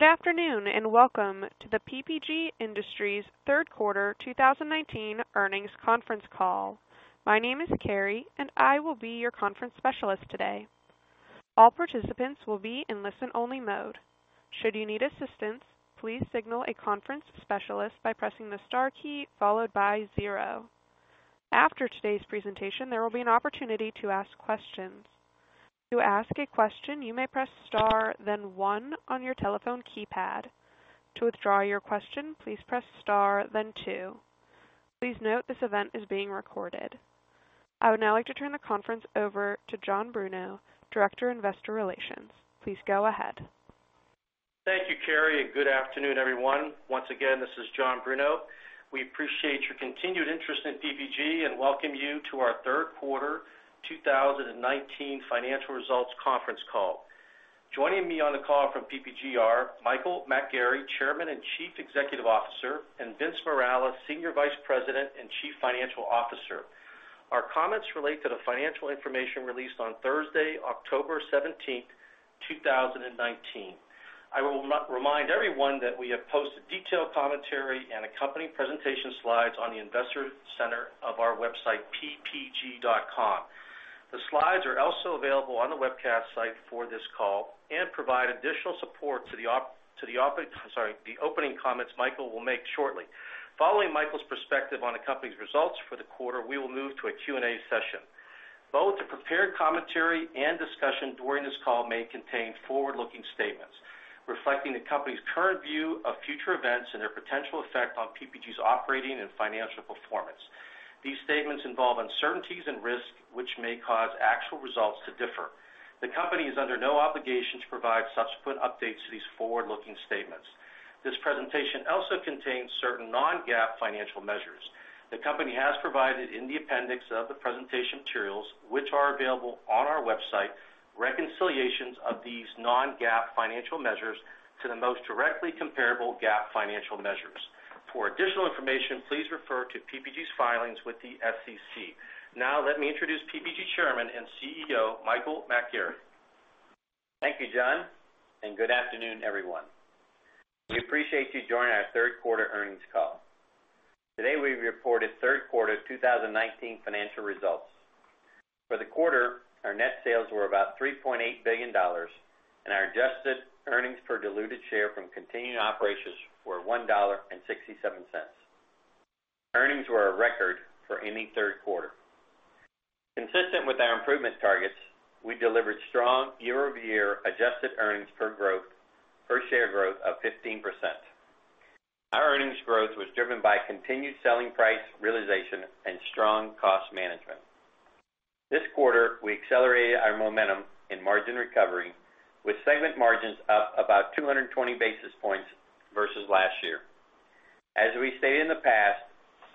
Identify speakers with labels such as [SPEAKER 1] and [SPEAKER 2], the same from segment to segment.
[SPEAKER 1] Good afternoon. Welcome to the PPG Industries third quarter 2019 earnings conference call. My name is Carrie. I will be your conference specialist today. All participants will be in listen-only mode. Should you need assistance, please signal a conference specialist by pressing the star key, followed by 0. After today's presentation, there will be an opportunity to ask questions. To ask a question, you may press star, then 1 on your telephone keypad. To withdraw your question, please press star, then 2. Please note this event is being recorded. I would now like to turn the conference over to John Bruno, Director, Investor Relations. Please go ahead.
[SPEAKER 2] Thank you, Carrie, and good afternoon, everyone. Once again, this is John Bruno. We appreciate your continued interest in PPG and welcome you to our third quarter 2019 financial results conference call. Joining me on the call from PPG are Michael McGarry, Chairman and Chief Executive Officer, and Vince Morales, Senior Vice President and Chief Financial Officer. Our comments relate to the financial information released on Thursday, October 17, 2019. I will remind everyone that we have posted detailed commentary and accompanying presentation slides on the investor center of our website, ppg.com. The slides are also available on the webcast site for this call and provide additional support to the opening comments Michael will make shortly. Following Michael's perspective on the company's results for the quarter, we will move to a Q&A session. Both the prepared commentary and discussion during this call may contain forward-looking statements reflecting the company's current view of future events and their potential effect on PPG's operating and financial performance. These statements involve uncertainties and risks, which may cause actual results to differ. The company is under no obligation to provide subsequent updates to these forward-looking statements. This presentation also contains certain non-GAAP financial measures. The company has provided, in the appendix of the presentation materials, which are available on our website, reconciliations of these non-GAAP financial measures to the most directly comparable GAAP financial measures. For additional information, please refer to PPG's filings with the SEC. Now, let me introduce PPG Chairman and CEO, Michael McGarry.
[SPEAKER 3] Thank you, John, and good afternoon, everyone. We appreciate you joining our third quarter earnings call. Today, we reported third quarter 2019 financial results. For the quarter, our net sales were about $3.8 billion, and our adjusted earnings per diluted share from continuing operations were $1.67. Earnings were a record for any third quarter. Consistent with our improvement targets, we delivered strong year-over-year adjusted earnings per share growth of 15%. Our earnings growth was driven by continued selling price realization and strong cost management. This quarter, we accelerated our momentum in margin recovery with segment margins up about 220 basis points versus last year. As we stated in the past,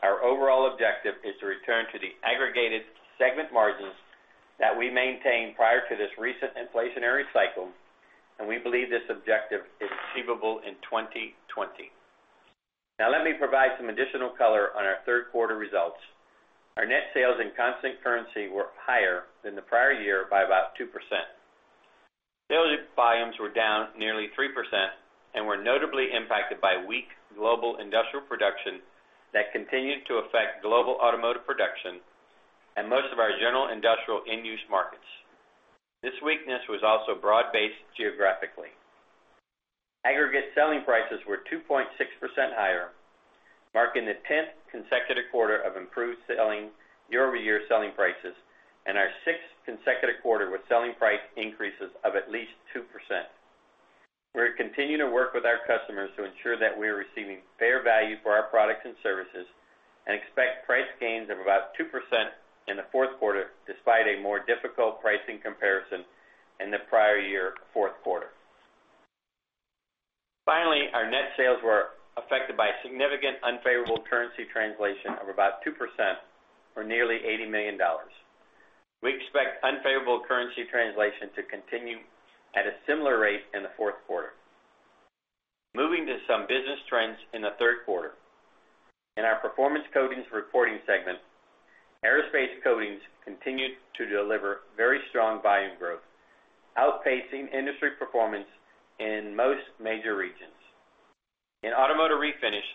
[SPEAKER 3] our overall objective is to return to the aggregated segment margins that we maintained prior to this recent inflationary cycle, and we believe this objective is achievable in 2020. Let me provide some additional color on our third quarter results. Our net sales in constant currency were higher than the prior year by about 2%. Sales volumes were down nearly 3% and were notably impacted by weak global industrial production that continued to affect global automotive production and most of our general industrial end-use markets. This weakness was also broad-based geographically. Aggregate selling prices were 2.6% higher, marking the 10th consecutive quarter of improved year-over-year selling prices and our 6th consecutive quarter with selling price increases of at least 2%. We're continuing to work with our customers to ensure that we are receiving fair value for our products and services and expect price gains of about 2% in the fourth quarter, despite a more difficult pricing comparison in the prior year fourth quarter. Finally, our net sales were affected by significant unfavorable currency translation of about 2%, or nearly $80 million. We expect unfavorable currency translation to continue at a similar rate in the fourth quarter. Moving to some business trends in the third quarter. In our Performance Coatings reporting segment, aerospace coatings continued to deliver very strong volume growth, outpacing industry performance in most major regions. In automotive refinish,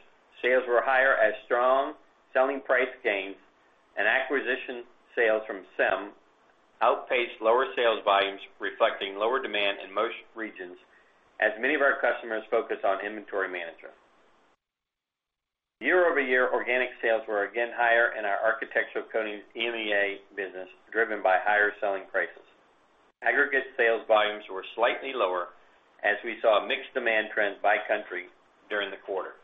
[SPEAKER 3] sales were higher as strong selling price gains and acquisition sales from SEM outperformed lower sales volumes, reflecting lower demand in most regions as many of our customers focus on inventory management. Year-over-year organic sales were again higher in our Architectural Coatings EMEA business, driven by higher selling prices. Aggregate sales volumes were slightly lower as we saw mixed demand trends by country during the quarter.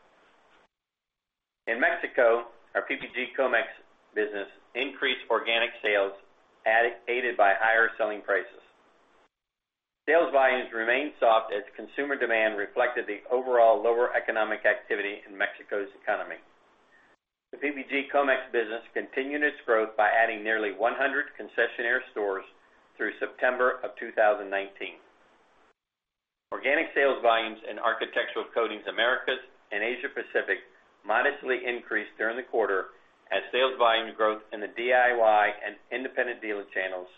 [SPEAKER 3] In Mexico, our PPG Comex business increased organic sales, aided by higher selling prices. Sales volumes remained soft as consumer demand reflected the overall lower economic activity in Mexico's economy. The PPG Comex business continued its growth by adding nearly 100 concessionaire stores through September of 2019. Organic sales volumes in Architectural Coatings Americas and Asia Pacific modestly increased during the quarter as sales volume growth in the DIY and independent dealer channels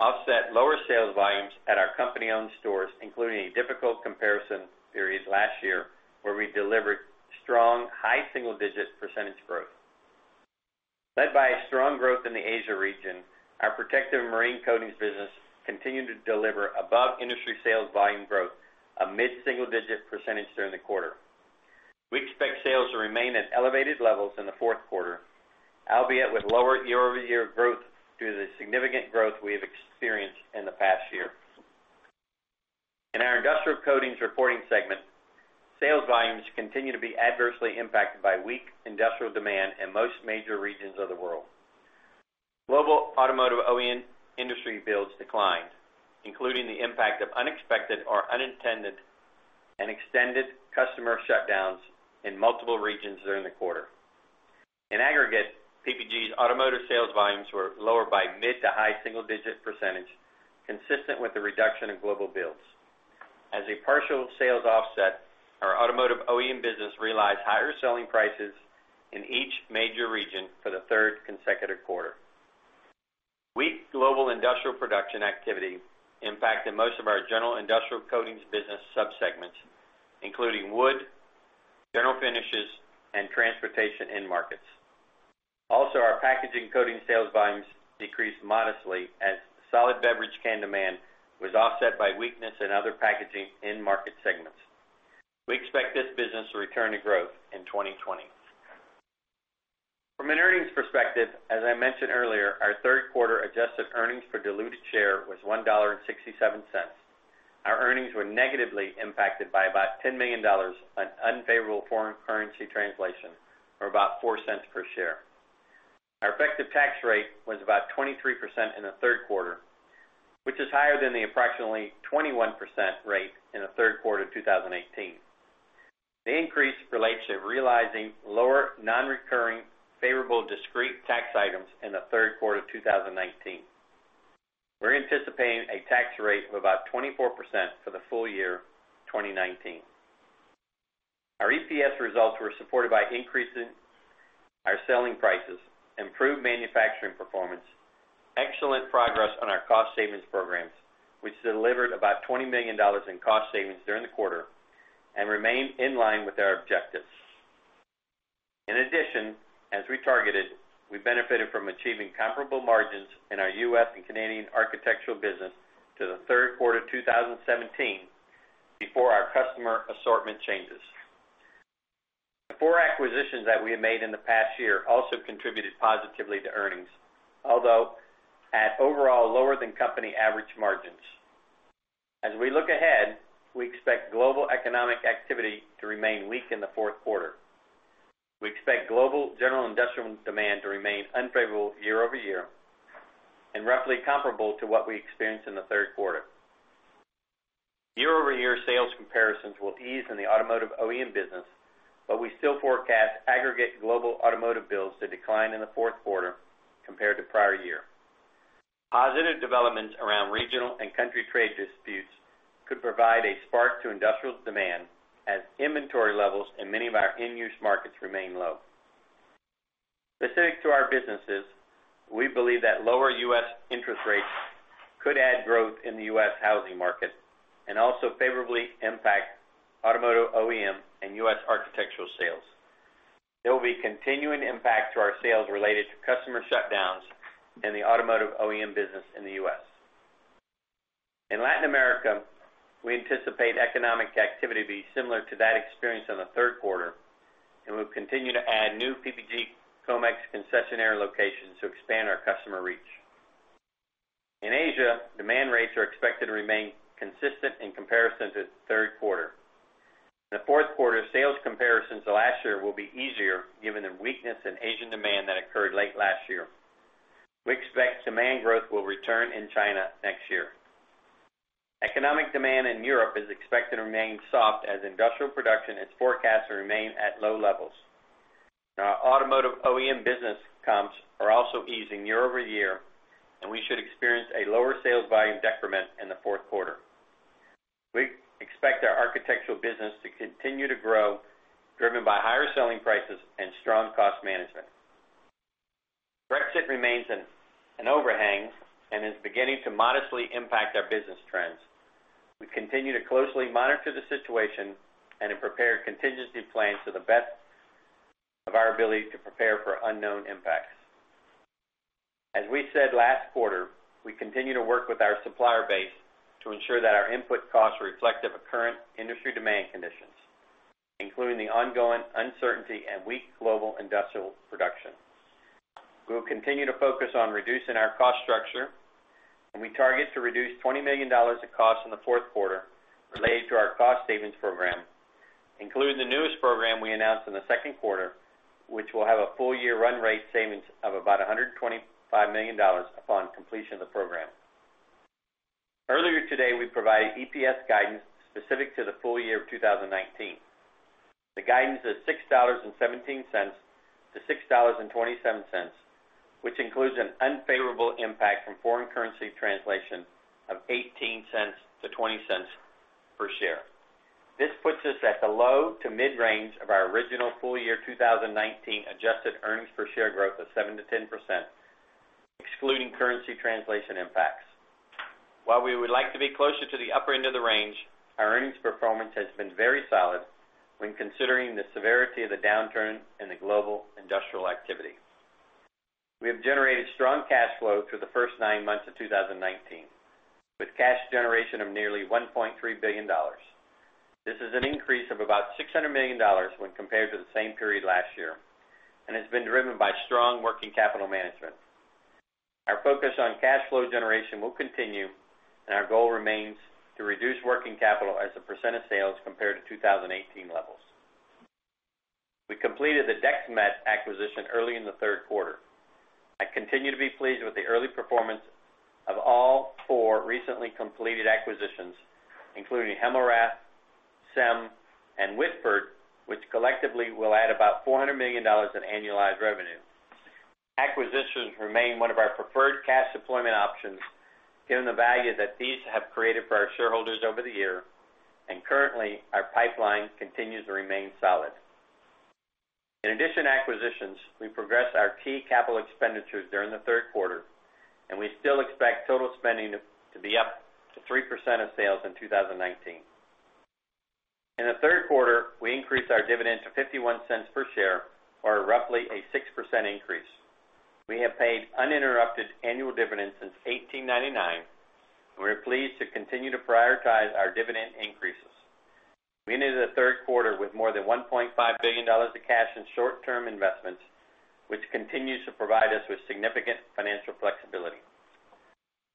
[SPEAKER 3] offset lower sales volumes at our company-owned stores, including a difficult comparison period last year, where we delivered strong, high single-digit % growth. Led by a strong growth in the Asia region, our protective marine coatings business continued to deliver above-industry sales volume growth of mid-single-digit % during the quarter. We expect sales to remain at elevated levels in the fourth quarter, albeit with lower year-over-year growth due to the significant growth we have experienced in the past year. In our Industrial Coatings reporting segment, sales volumes continue to be adversely impacted by weak industrial demand in most major regions of the world. Global automotive OEM industry builds declined, including the impact of unexpected or unintended and extended customer shutdowns in multiple regions during the quarter. In aggregate, PPG's automotive sales volumes were lower by mid to high single digit %, consistent with the reduction in global builds. As a partial sales offset, our automotive OEM business realized higher selling prices in each major region for the third consecutive quarter. Weak global industrial production activity impacted most of our general Industrial Coatings business sub-segments, including wood, general finishes, and transportation end markets. Our packaging coating sales volumes decreased modestly as solid beverage can demand was offset by weakness in other packaging end market segments. We expect this business to return to growth in 2020. From an earnings perspective, as I mentioned earlier, our third quarter adjusted earnings per diluted share was $1.67. Our earnings were negatively impacted by about $10 million on unfavorable foreign currency translation, or about $0.04 per share. Our effective tax rate was about 23% in the third quarter, which is higher than the approximately 21% rate in the third quarter of 2018. The increase relates to realizing lower non-recurring favorable discrete tax items in the third quarter of 2019. We're anticipating a tax rate of about 24% for the full year 2019. Our EPS results were supported by increasing our selling prices, improved manufacturing performance, excellent progress on our cost savings programs, which delivered about $20 million in cost savings during the quarter and remain in line with our objectives. In addition, as we targeted, we benefited from achieving comparable margins in our U.S. and Canadian Architectural business to the third quarter 2017 before our customer assortment changes. The four acquisitions that we have made in the past year also contributed positively to earnings, although at overall lower than company average margins. As we look ahead, we expect global economic activity to remain weak in the fourth quarter. We expect global general industrial demand to remain unfavorable year-over-year and roughly comparable to what we experienced in the third quarter. Year-over-year sales comparisons will ease in the automotive OEM business, but we still forecast aggregate global automotive builds to decline in the fourth quarter compared to prior year. Positive developments around regional and country trade disputes could provide a spark to industrial demand, as inventory levels in many of our end use markets remain low. Specific to our businesses, we believe that lower U.S. interest rates could add growth in the U.S. housing market and also favorably impact automotive OEM and U.S. architectural sales. There will be continuing impact to our sales related to customer shutdowns in the automotive OEM business in the U.S. In Latin America, we anticipate economic activity to be similar to that experienced in the third quarter, and we'll continue to add new PPG Comex concessionaire locations to expand our customer reach. In Asia, demand rates are expected to remain consistent in comparison to the third quarter. In the fourth quarter, sales comparisons to last year will be easier given the weakness in Asian demand that occurred late last year. We expect demand growth will return in China next year. Economic demand in Europe is expected to remain soft as industrial production is forecast to remain at low levels. Our automotive OEM business comps are also easing year-over-year, and we should experience a lower sales volume decrement in the fourth quarter. We expect our architectural business to continue to grow, driven by higher selling prices and strong cost management. Brexit remains an overhang and is beginning to modestly impact our business trends. We continue to closely monitor the situation and have prepared contingency plans to the best of our ability to prepare for unknown impacts. As we said last quarter, we continue to work with our supplier base to ensure that our input costs are reflective of current industry demand conditions, including the ongoing uncertainty and weak global industrial production. We will continue to focus on reducing our cost structure, and we target to reduce $20 million in costs in the fourth quarter related to our cost savings program, including the newest program we announced in the second quarter, which will have a full-year run rate savings of about $125 million upon completion of the program. Earlier today, we provided EPS guidance specific to the full year of 2019. The guidance is $6.17-$6.27, which includes an unfavorable impact from foreign currency translation of $0.18-$0.20 per share. This puts us at the low to mid-range of our original full-year 2019 adjusted earnings per share growth of 7%-10%, excluding currency translation impacts. While we would like to be closer to the upper end of the range, our earnings performance has been very solid when considering the severity of the downturn in the global industrial activity. We have generated strong cash flow through the first nine months of 2019, with cash generation of nearly $1.3 billion. This is an increase of about $600 million when compared to the same period last year, and has been driven by strong working capital management. Our focus on cash flow generation will continue, and our goal remains to reduce working capital as a % of sales compared to 2018 levels. We completed the Dexmet acquisition early in the third quarter. I continue to be pleased with the early performance of all four recently completed acquisitions, including Hemmelrath, SEM, and Whitford, which collectively will add about $400 million in annualized revenue. Acquisitions remain one of our preferred cash deployment options, given the value that these have created for our shareholders over the year, and currently, our pipeline continues to remain solid. In addition to acquisitions, we progressed our key CapEx during the third quarter. We still expect total spending to be up to 3% of sales in 2019. In the third quarter, we increased our dividend to $0.51 per share, or roughly a 6% increase. We have paid uninterrupted annual dividends since 1899. We are pleased to continue to prioritize our dividend increases. We ended the third quarter with more than $1.5 billion of cash and short-term investments, which continues to provide us with significant financial flexibility.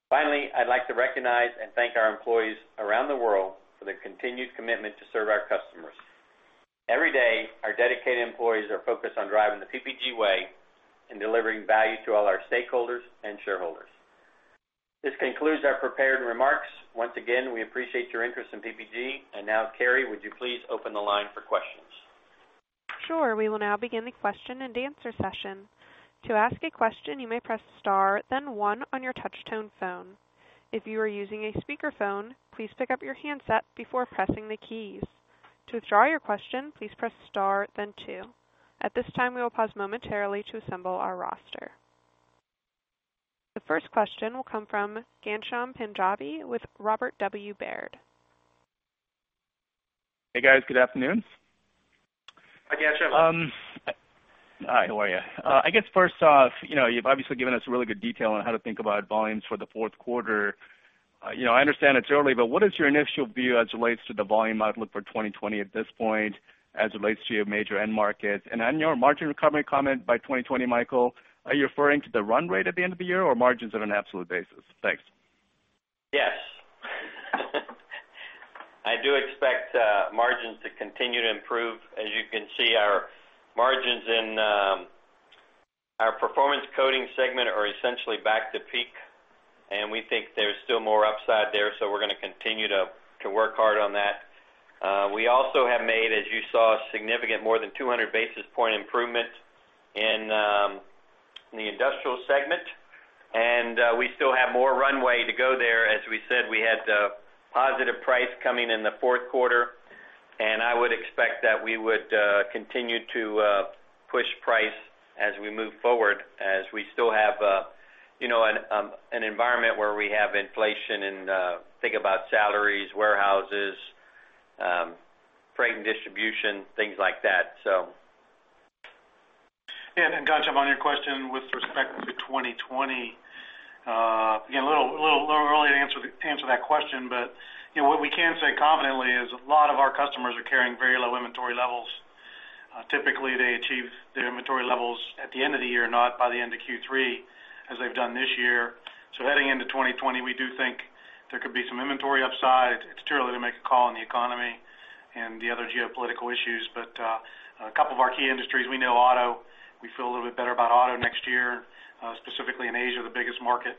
[SPEAKER 3] Finally, I'd like to recognize and thank our employees around the world for their continued commitment to serve our customers. Every day, our dedicated employees are focused on driving the PPG way and delivering value to all our stakeholders and shareholders. This concludes our prepared remarks. Once again, we appreciate your interest in PPG. Now, Carrie, would you please open the line for questions?
[SPEAKER 1] Sure. We will now begin the question and answer session. To ask a question, you may press star, then one on your touch-tone phone. If you are using a speakerphone, please pick up your handset before pressing the keys. To withdraw your question, please press star, then two. At this time, we will pause momentarily to assemble our roster. The first question will come from Ghansham Panjabi with Robert W. Baird.
[SPEAKER 4] Hey, guys. Good afternoon.
[SPEAKER 3] Hi, Ghansham.
[SPEAKER 4] Hi, how are you? I guess first off, you've obviously given us really good detail on how to think about volumes for the fourth quarter. I understand it's early, but what is your initial view as it relates to the volume outlook for 2020 at this point as it relates to your major end markets? On your margin recovery comment by 2020, Michael, are you referring to the run rate at the end of the year or margins on an absolute basis? Thanks.
[SPEAKER 3] Yes. I do expect margins to continue to improve. As you can see, our margins in our Performance Coatings segment are essentially back to peak. We think there's still more upside there. We're going to continue to work hard on that. We also have made, as you saw, significant, more than 200 basis points improvement in the Industrials segment. We still have more runway to go there. As we said, we had positive price coming in the fourth quarter. I would expect that we would continue to push price as we move forward, as we still have an environment where we have inflation and think about salaries, warehouses, freight and distribution, things like that.
[SPEAKER 5] Ghansham, on your question with respect to 2020. Again, a little early to answer that question, but what we can say confidently is a lot of our customers are carrying very low inventory levels. Typically, they achieve their inventory levels at the end of the year, not by the end of Q3, as they've done this year. Heading into 2020, we do think there could be some inventory upside. It's too early to make a call on the economy and the other geopolitical issues. A couple of our key industries, we know auto. We feel a little bit better about auto next year, specifically in Asia, the biggest market.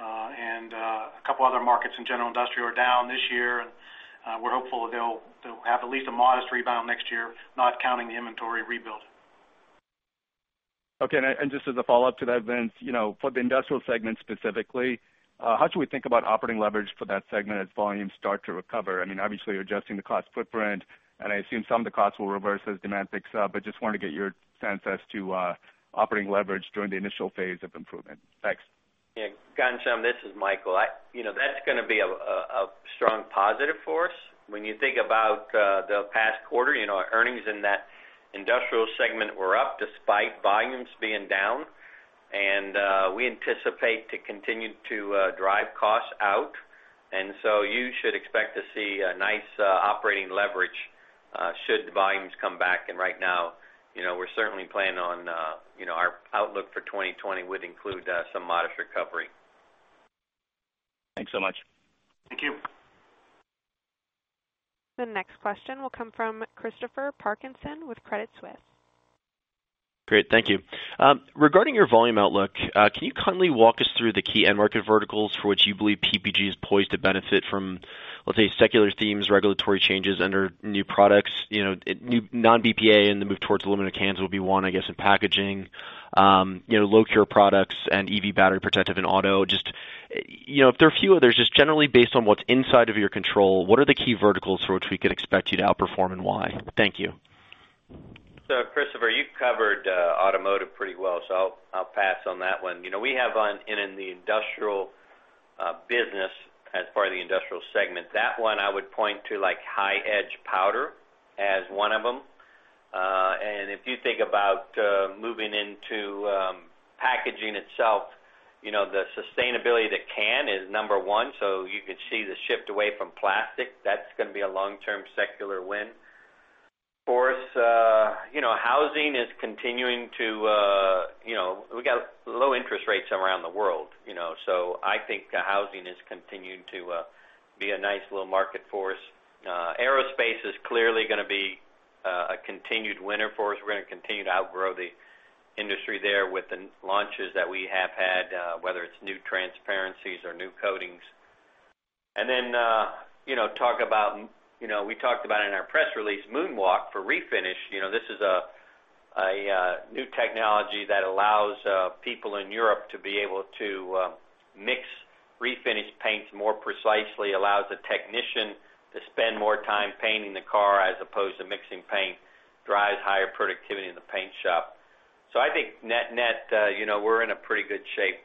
[SPEAKER 5] A couple of other markets in general industrial are down this year, and we're hopeful they'll have at least a modest rebound next year, not counting the inventory rebuild.
[SPEAKER 4] Okay. Just as a follow-up to that, Vince, for the Industrial Coatings segment specifically, how should we think about operating leverage for that segment as volumes start to recover? Obviously, you're adjusting the cost footprint, and I assume some of the costs will reverse as demand picks up, but just wanted to get your sense as to operating leverage during the initial phase of improvement. Thanks.
[SPEAKER 3] Yeah, Ghansham, this is Michael. That's going to be a strong positive for us. When you think about the past quarter, our earnings in that Industrial segment were up despite volumes being down. We anticipate to continue to drive costs out. You should expect to see a nice operating leverage should the volumes come back. Right now, we're certainly planning on our outlook for 2020 would include some modest recovery.
[SPEAKER 4] Thanks so much.
[SPEAKER 5] Thank you.
[SPEAKER 1] The next question will come from Christopher Parkinson with Credit Suisse.
[SPEAKER 6] Great, thank you. Regarding your volume outlook, can you kindly walk us through the key end market verticals for which you believe PPG is poised to benefit from, let's say, secular themes, regulatory changes under new products, non-BPA and the move towards aluminum cans would be one, I guess, in packaging. Low cure products and EV battery protective in auto. Just if there are a few others, just generally based on what's inside of your control, what are the key verticals for which we could expect you to outperform and why? Thank you.
[SPEAKER 3] Christopher, you covered automotive pretty well, so I'll pass on that one. We have in the Industrial business, as part of the Industrial segment. That one I would point to like high edge powder as one of them. If you think about moving into packaging itself, the sustainability to can is number one. You could see the shift away from plastic. That's going to be a long-term secular win. For us, housing is continuing. We got low interest rates around the world. I think housing is continuing to be a nice little market for us. Aerospace is clearly going to be a continued winner for us. We're going to continue to outgrow the industry there with the launches that we have had, whether it's new transparencies or new coatings. We talked about in our press release, MoonWalk for refinish. This is a new technology that allows people in Europe to be able to mix refinish paints more precisely, allows the technician to spend more time painting the car as opposed to mixing paint, drives higher productivity in the paint shop. I think net-net, we're in a pretty good shape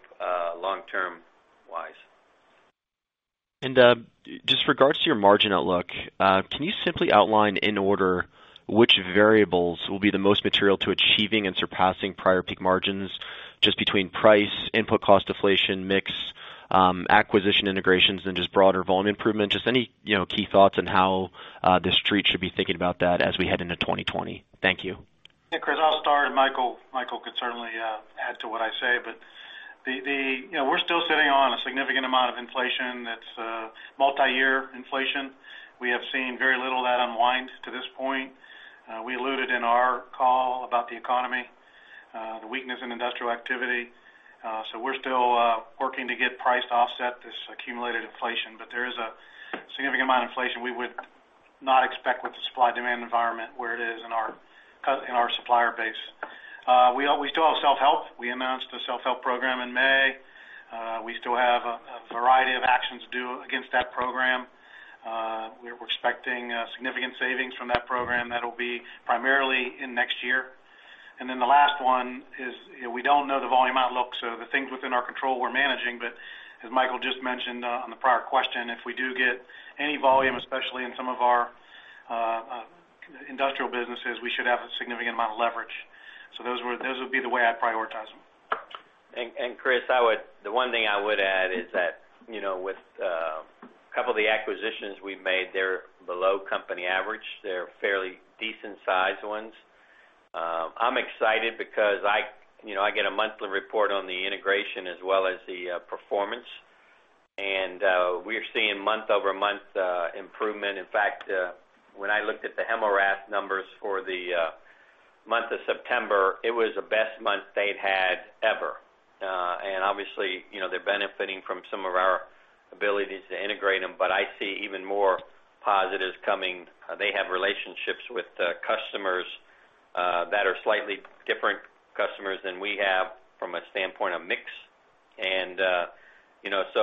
[SPEAKER 3] long term wise.
[SPEAKER 6] Just regards to your margin outlook, can you simply outline in order which variables will be the most material to achieving and surpassing prior peak margins, just between price, input cost deflation, mix, acquisition integrations, and just broader volume improvement? Any key thoughts on how The Street should be thinking about that as we head into 2020? Thank you.
[SPEAKER 5] Yeah, Chris, I'll start, and Michael could certainly add to what I say. We're still sitting on a significant amount of inflation that's multi-year inflation. We have seen very little of that unwind to this point. We alluded in our call about the economy, the weakness in industrial activity. We're still working to get price to offset this accumulated inflation, but there is a significant amount of inflation we would not expect with the supply-demand environment where it is in our supplier base. We still have self-help. We announced a self-help program in May. We still have a variety of actions due against that program. We're expecting significant savings from that program. That'll be primarily in next year. The last one is, we don't know the volume outlook, so the things within our control we're managing. As Michael just mentioned on the prior question, if we do get any volume, especially in some of our industrial businesses, we should have a significant amount of leverage. Those would be the way I'd prioritize them.
[SPEAKER 3] Chris, the one thing I would add is that, with a couple of the acquisitions we've made, they're below company average. They're fairly decent sized ones. I'm excited because I get a monthly report on the integration as well as the performance. We're seeing month-over-month improvement. In fact, when I looked at the Hemmelrath numbers for the month of September, it was the best month they'd had ever. Obviously, they're benefiting from some of our abilities to integrate them, but I see even more positives coming. They have relationships with customers that are slightly different customers than we have from a standpoint of mix.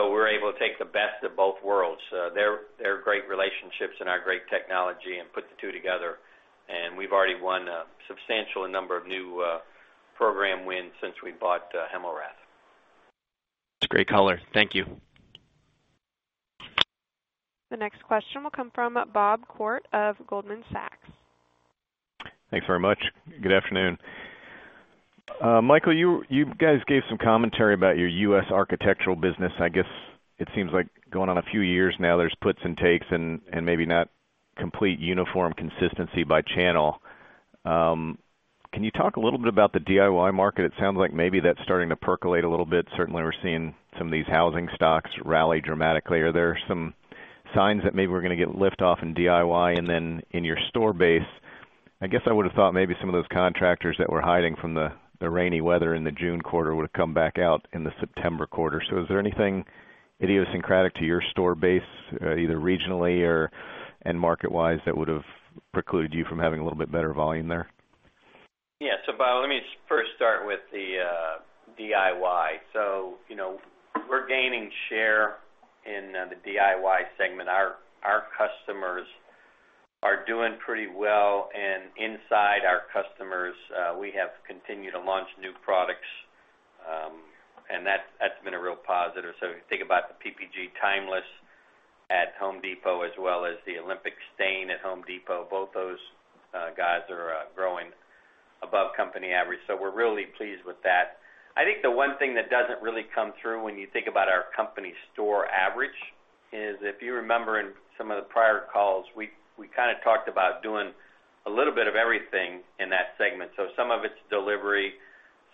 [SPEAKER 3] We're able to take the best of both worlds. Their great relationships and our great technology and put the two together, and we've already won a substantial number of new program wins since we bought Hemmelrath.
[SPEAKER 6] That's a great color. Thank you.
[SPEAKER 1] The next question will come from Bob Koort of Goldman Sachs.
[SPEAKER 7] Thanks very much. Good afternoon. Michael, you guys gave some commentary about your U.S. architectural business. I guess it seems like going on a few years now, there's puts and takes and maybe not complete uniform consistency by channel. Can you talk a little bit about the DIY market? It sounds like maybe that's starting to percolate a little bit. Certainly, we're seeing some of these housing stocks rally dramatically. Are there some signs that maybe we're going to get lift off in DIY? In your store base, I guess I would have thought maybe some of those contractors that were hiding from the rainy weather in the June quarter would have come back out in the September quarter. Is there anything idiosyncratic to your store base, either regionally and market-wise, that would have precluded you from having a little bit better volume there?
[SPEAKER 3] Yeah. Bob, let me first start with the DIY. We're gaining share in the DIY segment. Our customers are doing pretty well, inside our customers, we have continued to launch new products. That's been a real positive. If you think about the PPG Timeless at The Home Depot as well as the Olympic Stain at The Home Depot, both those guys are growing above company average. We're really pleased with that. I think the one thing that doesn't really come through when you think about our company store average is if you remember in some of the prior calls, we kind of talked about doing a little bit of everything in that segment. Some of it's delivery,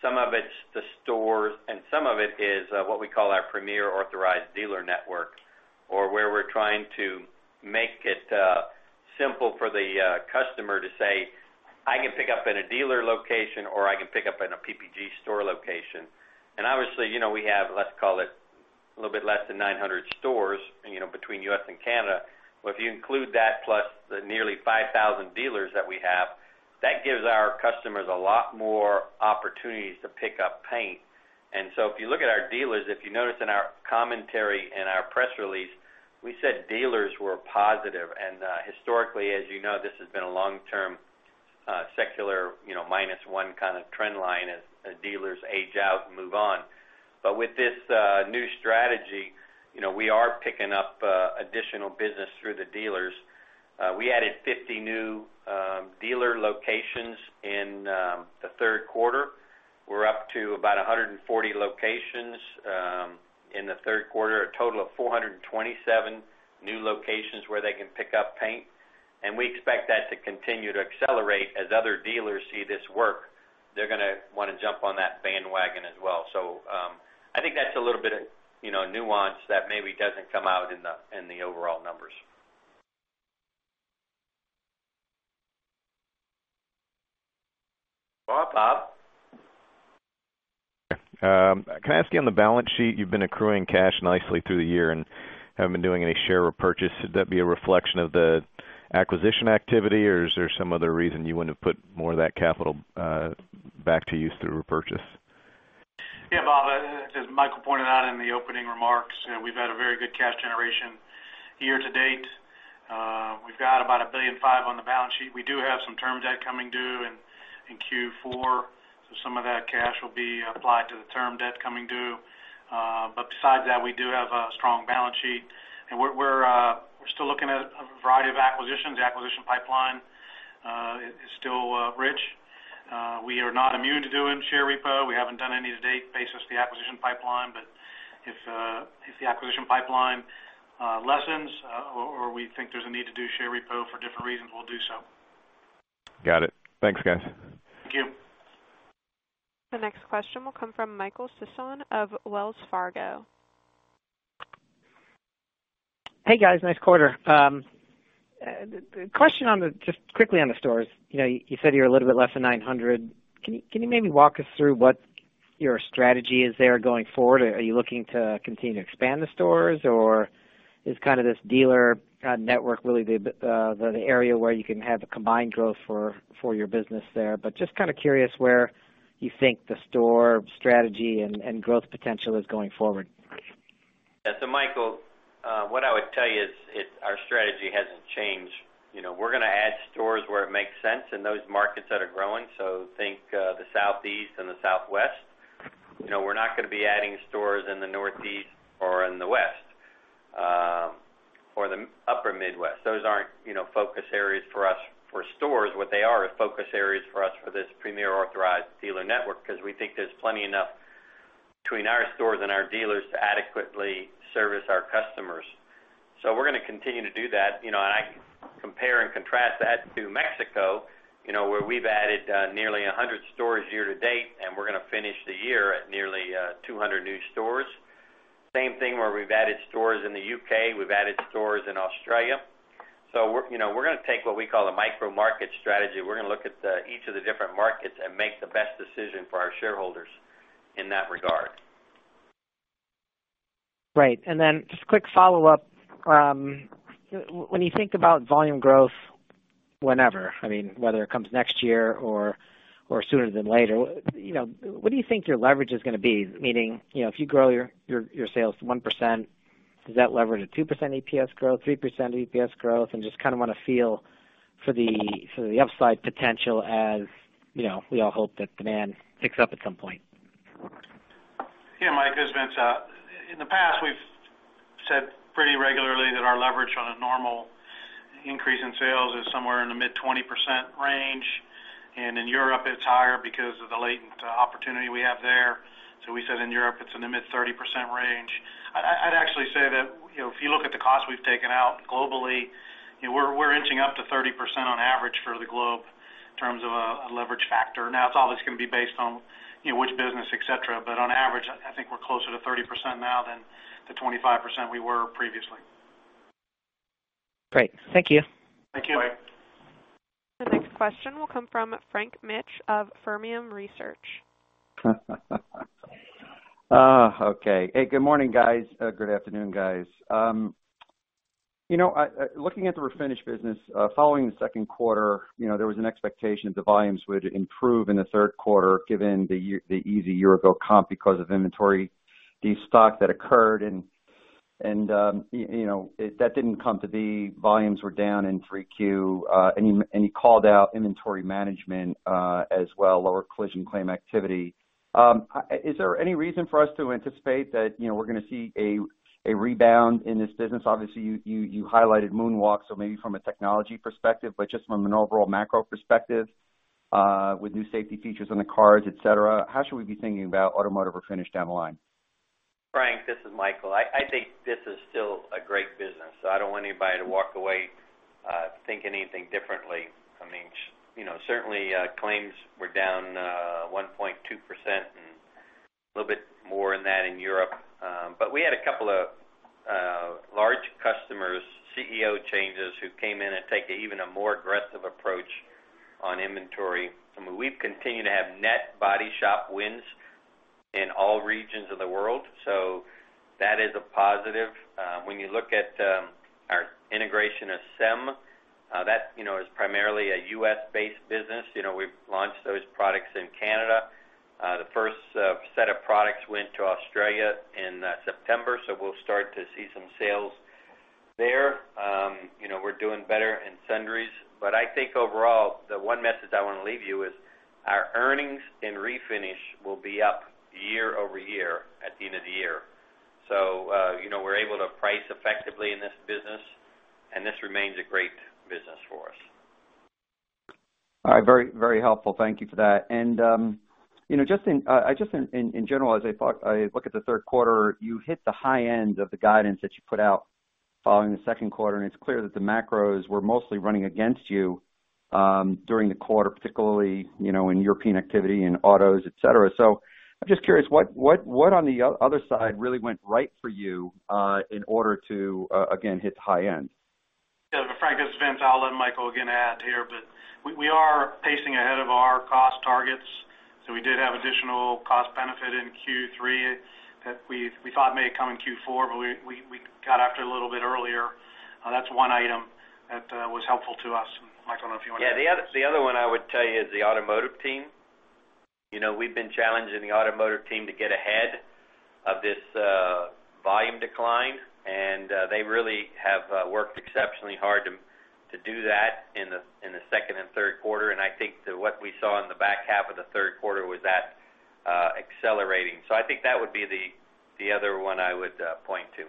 [SPEAKER 3] some of it's the stores, and some of it is what we call our premier authorized dealer network, or where we're trying to make it simple for the customer to say, "I can pick up in a dealer location, or I can pick up in a PPG store location." Obviously, we have, let's call it, a little bit less than 900 stores between U.S. and Canada. But if you include that plus the nearly 5,000 dealers that we have, that gives our customers a lot more opportunities to pick up paint. If you look at our dealers, if you notice in our commentary and our press release, we said dealers were positive. Historically, as you know, this has been a long-term secular minus one kind of trend line as dealers age out and move on. With this new strategy, we are picking up additional business through the dealers. We added 50 new dealer locations in the third quarter. We're up to about 140 locations in the third quarter, a total of 427 new locations where they can pick up paint. We expect that to continue to accelerate as other dealers see this work. They're going to want to jump on that bandwagon as well. I think that's a little bit of nuance that maybe doesn't come out in the overall numbers.
[SPEAKER 5] Go on, Bob.
[SPEAKER 7] Can I ask you on the balance sheet, you've been accruing cash nicely through the year and haven't been doing any share repurchase. Would that be a reflection of the acquisition activity, or is there some other reason you wouldn't have put more of that capital back to use through repurchase?
[SPEAKER 5] Bob, as Michael pointed out in the opening remarks, we've had a very good cash generation year to date. We've got about $1.5 billion on the balance sheet. We do have some term debt coming due in Q4. Some of that cash will be applied to the term debt coming due. Besides that, we do have a strong balance sheet, and we're still looking at a variety of acquisitions. Acquisition pipeline is still rich. We are not immune to doing share repo. We haven't done any to date based off the acquisition pipeline. If the acquisition pipeline lessens or we think there's a need to do share repo for different reasons, we'll do so.
[SPEAKER 7] Got it. Thanks, guys.
[SPEAKER 5] Thank you.
[SPEAKER 1] The next question will come from Michael Sison of Wells Fargo.
[SPEAKER 8] Hey, guys, nice quarter. Question just quickly on the stores. You said you're a little bit less than 900. Can you maybe walk us through what your strategy is there going forward? Are you looking to continue to expand the stores, or is kind of this dealer kind of network really the area where you can have a combined growth for your business there? Just kind of curious where you think the store strategy and growth potential is going forward.
[SPEAKER 3] Michael, what I would tell you is our strategy hasn't changed. We're going to add stores where it makes sense in those markets that are growing. Think the Southeast and the Southwest. We're not going to be adding stores in the Northeast or in the West or the Upper Midwest. Those aren't focus areas for us for stores. What they are is focus areas for us for this premier authorized dealer network, because we think there's plenty enough between our stores and our dealers to adequately service our customers. We're going to continue to do that. I compare and contrast that to Mexico, where we've added nearly 100 stores year to date, and we're going to finish the year at nearly 200 new stores. Same thing where we've added stores in the U.K., we've added stores in Australia. We're going to take what we call a micro-market strategy. We're going to look at each of the different markets and make the best decision for our shareholders in that regard.
[SPEAKER 8] Right. Then just quick follow-up. When you think about volume growth whenever, I mean, whether it comes next year or sooner than later, what do you think your leverage is going to be? Meaning, if you grow your sales 1%, does that leverage a 2% EPS growth, 3% EPS growth? Just kind of want to feel for the upside potential as we all hope that demand picks up at some point.
[SPEAKER 5] Yeah, Mike, this is Vince. In the past, we've said pretty regularly that our leverage on a normal increase in sales is somewhere in the mid-20% range. In Europe, it's higher because of the latent opportunity we have there. We said in Europe, it's in the mid-30% range. I'd actually say that if you look at the cost we've taken out globally, we're inching up to 30% on average for the globe in terms of a leverage factor. It's always going to be based on which business, et cetera, but on average, I think we're closer to 30% now than the 25% we were previously.
[SPEAKER 8] Great. Thank you.
[SPEAKER 5] Thank you.
[SPEAKER 3] Bye.
[SPEAKER 1] The next question will come from Frank Mitsch of Fermium Research.
[SPEAKER 9] Okay. Hey, good morning, guys. Good afternoon, guys. Looking at the refinish business, following the second quarter, there was an expectation that the volumes would improve in the third quarter given the easy year-ago comp because of inventory, the stock that occurred. That didn't come to be. Volumes were down in 3Q. You called out inventory management as well, lower collision claim activity. Is there any reason for us to anticipate that we're going to see a rebound in this business? Obviously, you highlighted MoonWalk, so maybe from a technology perspective, but just from an overall macro perspective, with new safety features on the cars, et cetera, how should we be thinking about automotive refinish down the line?
[SPEAKER 3] Frank, this is Michael. I think this is still a great business. I don't want anybody to walk away thinking anything differently. Certainly, claims were down 1.2% and a little bit more than that in Europe. We had a couple of large customers, CEO changes, who came in and take an even more aggressive approach on inventory. I mean, we've continued to have net body shop wins in all regions of the world. That is a positive. When you look at Integration of SEM, that is primarily a U.S.-based business. We've launched those products in Canada. The first set of products went to Australia in September. We'll start to see some sales there. We're doing better in sundries. I think overall, the one message I want to leave you is our earnings in Refinish will be up year-over-year at the end of the year. We're able to price effectively in this business, and this remains a great business for us.
[SPEAKER 9] All right. Very helpful. Thank you for that. Just in general, as I look at the third quarter, you hit the high end of the guidance that you put out following the second quarter, and it's clear that the macros were mostly running against you during the quarter, particularly in European activity, in autos, et cetera. I'm just curious, what on the other side really went right for you in order to, again, hit the high end?
[SPEAKER 5] Yeah. Frank, this is Vince. I'll let Michael again add here, but we are pacing ahead of our cost targets. We did have additional cost benefit in Q3 that we thought may come in Q4, but we got after a little bit earlier. That's one item that was helpful to us. Michael, I don't know if you want to add.
[SPEAKER 3] Yeah. The other one I would tell you is the Automotive team. We've been challenging the Automotive team to get ahead of this volume decline, and they really have worked exceptionally hard to do that in the second and third quarter. I think that what we saw in the back half of the third quarter was that accelerating. I think that would be the other one I would point to.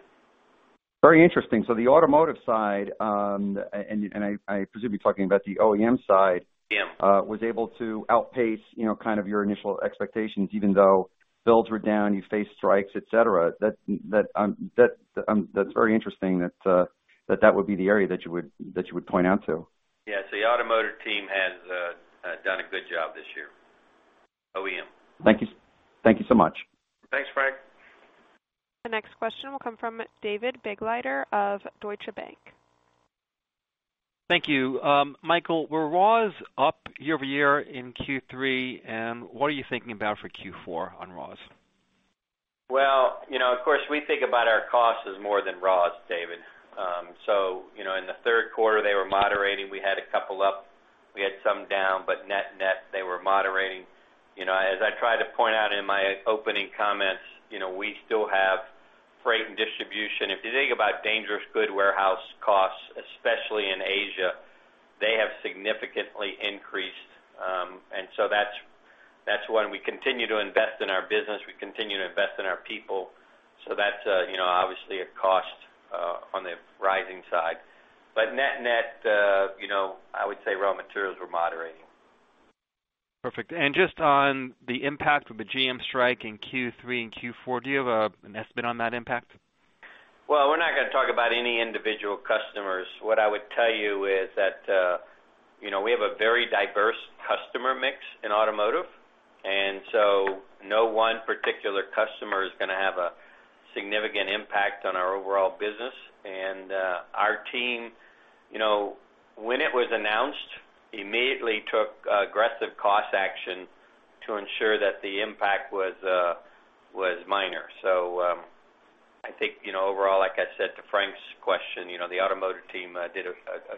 [SPEAKER 9] Very interesting. The Automotive side, and I presume you're talking about the OEM side?
[SPEAKER 3] Yeah
[SPEAKER 9] was able to outpace kind of your initial expectations, even though builds were down, you faced strikes, et cetera. That's very interesting that that would be the area that you would point out to.
[SPEAKER 3] Yes. The Automotive team has done a good job this year. OEM.
[SPEAKER 9] Thank you so much.
[SPEAKER 5] Thanks, Frank.
[SPEAKER 1] The next question will come from David Begleiter of Deutsche Bank.
[SPEAKER 10] Thank you. Michael, were RAWs up year-over-year in Q3? What are you thinking about for Q4 on RAWs?
[SPEAKER 3] Well, of course, we think about our costs as more than RAWs, David. In the third quarter, they were moderating. We had a couple up, we had some down, but net they were moderating. As I tried to point out in my opening comments, we still have freight and distribution. If you think about dangerous goods warehouse costs, especially in Asia, they have significantly increased. That's one. We continue to invest in our business, we continue to invest in our people. That's obviously a cost on the rising side. Net, I would say raw materials were moderating.
[SPEAKER 10] Perfect. Just on the impact of the GM strike in Q3 and Q4, do you have an estimate on that impact?
[SPEAKER 3] Well, we're not going to talk about any individual customers. What I would tell you is that we have a very diverse customer mix in Automotive. No one particular customer is going to have a significant impact on our overall business. Our team, when it was announced, immediately took aggressive cost action to ensure that the impact was minor. I think overall, like I said to Frank's question, the Automotive team did a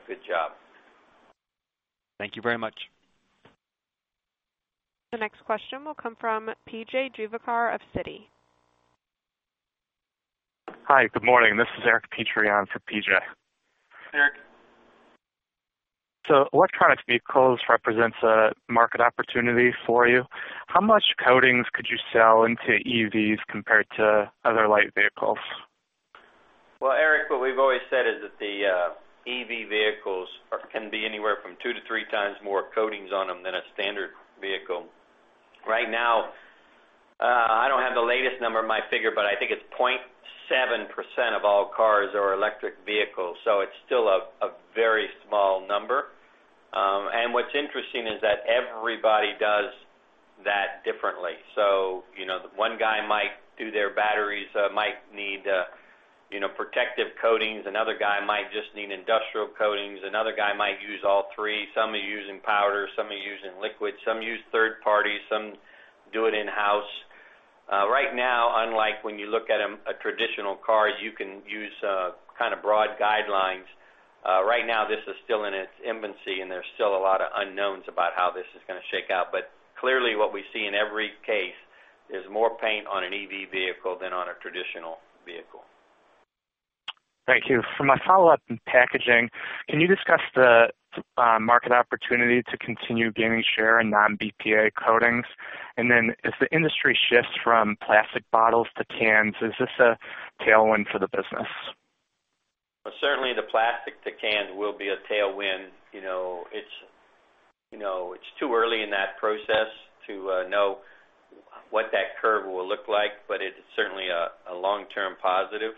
[SPEAKER 3] good job.
[SPEAKER 10] Thank you very much.
[SPEAKER 1] The next question will come from P.J. Juvekar of Citi.
[SPEAKER 11] Hi, good morning. This is Eric Petrie for P.J.
[SPEAKER 3] Eric.
[SPEAKER 11] Electric vehicles represents a market opportunity for you. How much coatings could you sell into EVs compared to other light vehicles?
[SPEAKER 3] Well, Eric, what we've always said is that the EV vehicles can be anywhere from two to three times more coatings on them than a standard vehicle. Right now, I don't have the latest number in my figure, but I think it's 0.7% of all cars are electric vehicles, it's still a very small number. What's interesting is that everybody does that differently. One guy might do their batteries, might need protective coatings. Another guy might just need Industrial Coatings. Another guy might use all three. Some are using powder, some are using liquid, some use third party, some do it in-house. Right now, unlike when you look at a traditional car, you can use kind of broad guidelines. Right now, this is still in its infancy, there's still a lot of unknowns about how this is going to shake out. Clearly what we see in every case is more paint on an EV vehicle than on a traditional vehicle.
[SPEAKER 11] Thank you. For my follow-up in packaging, can you discuss the market opportunity to continue gaining share in non-BPA coatings? As the industry shifts from plastic bottles to cans, is this a tailwind for the business?
[SPEAKER 3] Certainly, the plastic to cans will be a tailwind. It's too early in that process to know what that curve will look like, but it's certainly a long-term positive.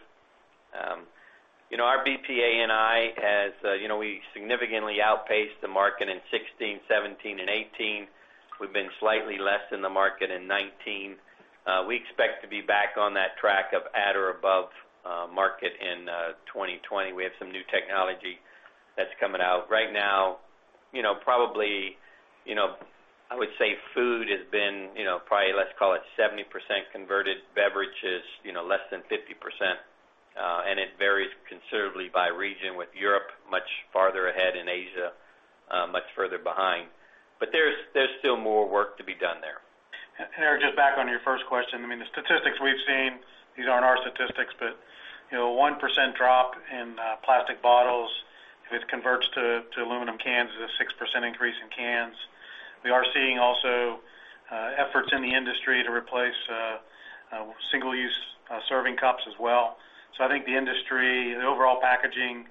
[SPEAKER 3] Our BPA-NI, as we significantly outpaced the market in 2016, 2017, and 2018. We've been slightly less than the market in 2019. We expect to be back on that track of at or above market in 2020. We have some new technology that's coming out right now. Probably, I would say food has been probably, let's call it 70% converted, beverages less than 50%. It varies considerably by region, with Europe much farther ahead, and Asia much further behind. There's still more work to be done there.
[SPEAKER 5] Eric, just back on your first question. The statistics we've seen, these aren't our statistics, but 1% drop in plastic bottles, if it converts to aluminum cans, is a 6% increase in cans. We are seeing also efforts in the industry to replace single-use serving cups as well. I think the industry, the overall packaging,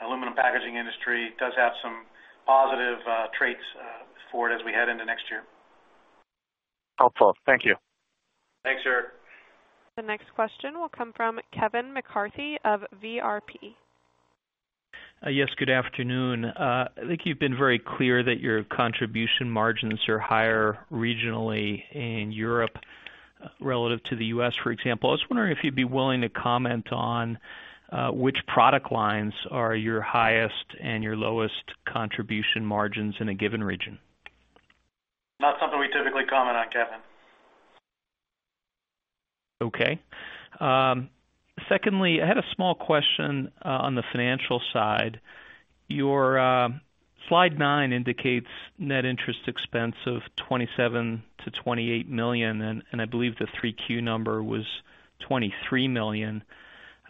[SPEAKER 5] aluminum packaging industry, does have some positive traits for it as we head into next year.
[SPEAKER 11] Helpful. Thank you.
[SPEAKER 3] Thanks, Eric.
[SPEAKER 1] The next question will come from Kevin McCarthy of VRP.
[SPEAKER 12] Yes, good afternoon. I think you've been very clear that your contribution margins are higher regionally in Europe relative to the U.S., for example. I was wondering if you'd be willing to comment on which product lines are your highest and your lowest contribution margins in a given region.
[SPEAKER 3] Not something we typically comment on, Kevin.
[SPEAKER 12] Okay. Secondly, I had a small question on the financial side. Your slide nine indicates net interest expense of $27 million-$28 million, and I believe the 3Q number was $23 million.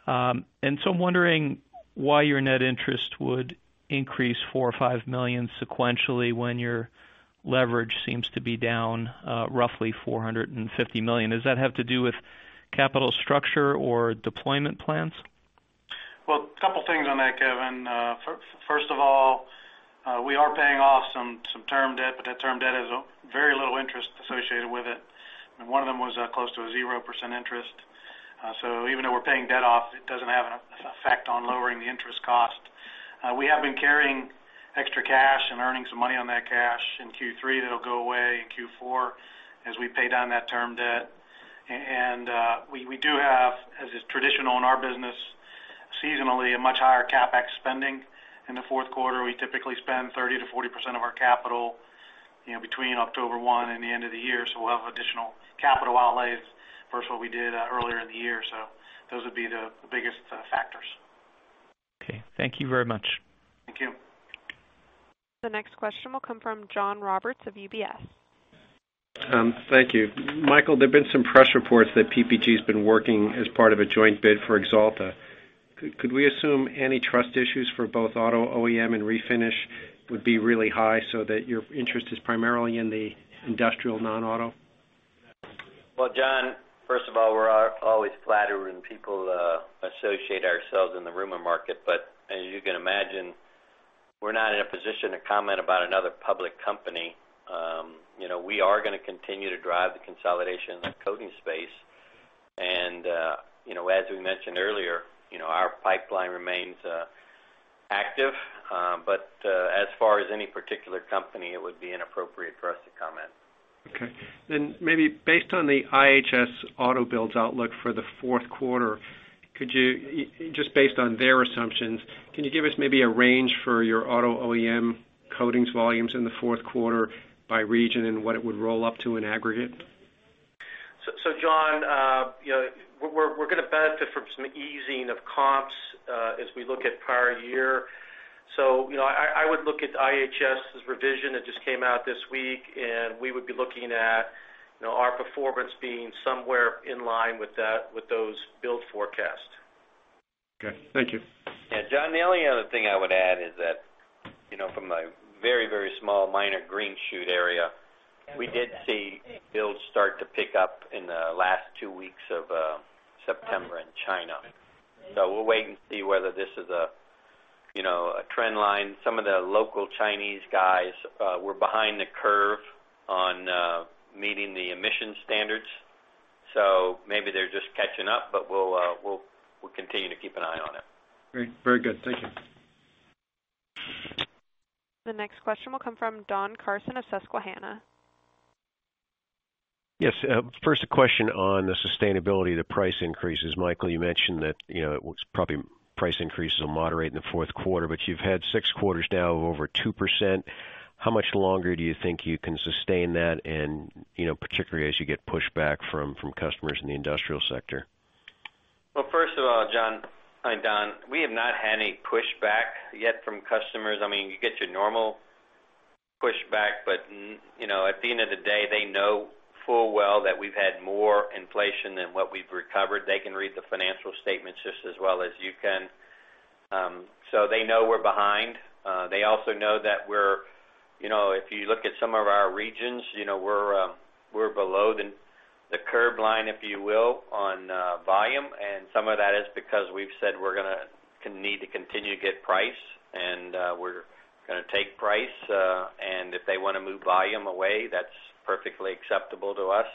[SPEAKER 12] I'm wondering why your net interest would increase $4 million or $5 million sequentially when your leverage seems to be down roughly $450 million. Does that have to do with capital structure or deployment plans?
[SPEAKER 5] Well, couple things on that, Kevin. First of all, we are paying off some term debt, but that term debt has very little interest associated with it. One of them was close to a 0% interest. Even though we're paying debt off, it doesn't have an effect on lowering the interest cost. We have been carrying extra cash and earning some money on that cash. In Q3, that'll go away, in Q4, as we pay down that term debt. We do have, as is traditional in our business, seasonally, a much higher CapEx spending. In the fourth quarter, we typically spend 30%-40% of our capital between October 1 and the end of the year, so we'll have additional capital outlays versus what we did earlier in the year. Those would be the biggest factors.
[SPEAKER 12] Okay, thank you very much.
[SPEAKER 5] Thank you.
[SPEAKER 1] The next question will come from John Roberts of UBS.
[SPEAKER 13] Thank you. Michael, there've been some press reports that PPG's been working as part of a joint bid for Axalta. Could we assume antitrust issues for both auto OEM and refinish would be really high so that your interest is primarily in the industrial non-auto?
[SPEAKER 3] John, first of all, we're always flattered when people associate ourselves in the rumor market. As you can imagine, we're not in a position to comment about another public company. We are gonna continue to drive the consolidation in the coating space. As we mentioned earlier, our pipeline remains active. As far as any particular company, it would be inappropriate for us to comment.
[SPEAKER 13] Okay. Maybe based on the IHS auto builds outlook for the fourth quarter, just based on their assumptions, can you give us maybe a range for your auto OEM coatings volumes in the fourth quarter by region and what it would roll up to in aggregate?
[SPEAKER 5] John, we're going to benefit from some easing of comps as we look at prior year. I would look at IHS's revision that just came out this week, and we would be looking at our performance being somewhere in line with those build forecasts.
[SPEAKER 13] Okay, thank you.
[SPEAKER 3] John, the only other thing I would add is that from a very small minor green shoot area, we did see builds start to pick up in the last two weeks of September in China. We'll wait and see whether this is a trend line. Some of the local Chinese guys were behind the curve on meeting the emissions standards. Maybe they're just catching up, but we'll continue to keep an eye on it.
[SPEAKER 13] Great. Very good. Thank you.
[SPEAKER 1] The next question will come from Don Carson of Susquehanna.
[SPEAKER 14] Yes. First, a question on the sustainability of the price increases. Michael, you mentioned that probably price increases will moderate in the fourth quarter, but you've had six quarters now of over 2%. How much longer do you think you can sustain that, and particularly as you get pushback from customers in the industrial sector?
[SPEAKER 3] Well, first of all, Don, we have not had any pushback yet from customers. At the end of the day, they know full well that we've had more inflation than what we've recovered. They can read the financial statements just as well as you can. They know we're behind. They also know that if you look at some of our regions, we're below the curve line, if you will, on volume, some of that is because we've said we're gonna need to continue to get price, and we're gonna take price. If they want to move volume away, that's perfectly acceptable to us.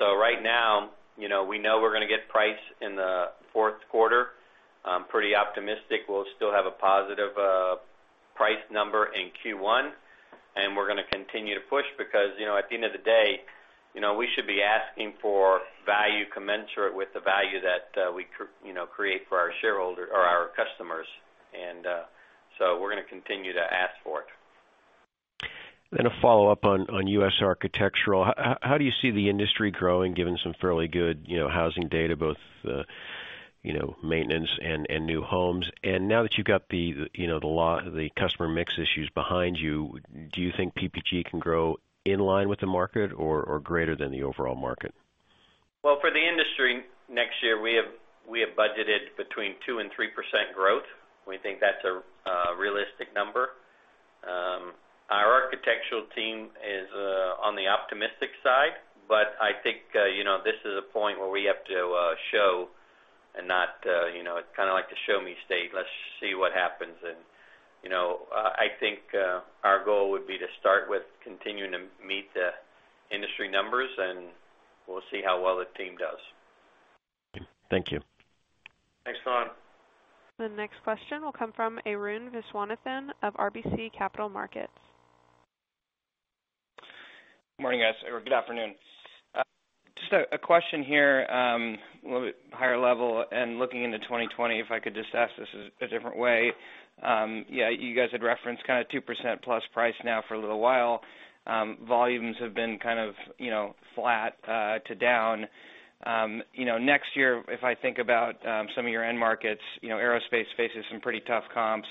[SPEAKER 3] Right now, we know we're gonna get price in the fourth quarter. I'm pretty optimistic we'll still have a positive price number in Q1. We're going to continue to push because, at the end of the day, we should be asking for value commensurate with the value that we create for our customers. We're going to continue to ask for it.
[SPEAKER 14] A follow-up on U.S. Architectural. How do you see the industry growing, given some fairly good housing data, both maintenance and new homes? Now that you've got the customer mix issues behind you, do you think PPG can grow in line with the market or greater than the overall market?
[SPEAKER 3] Well, for the industry next year, we have budgeted between 2% and 3% growth. We think that's a realistic number. Our architectural team is on the optimistic side, but I think, this is a point where we have to show kind of like the show me state. Let's see what happens. I think our goal would be to start with continuing to meet the industry numbers, and we'll see how well the team does.
[SPEAKER 14] Thank you.
[SPEAKER 3] Thanks, Don.
[SPEAKER 1] The next question will come from Arun Viswanathan of RBC Capital Markets.
[SPEAKER 15] Morning, guys, or good afternoon. Just a question here. A little bit higher level and looking into 2020, if I could just ask this a different way. You guys had referenced kind of 2% plus price now for a little while. Volumes have been kind of flat to down. Next year, if I think about some of your end markets, aerospace faces some pretty tough comps.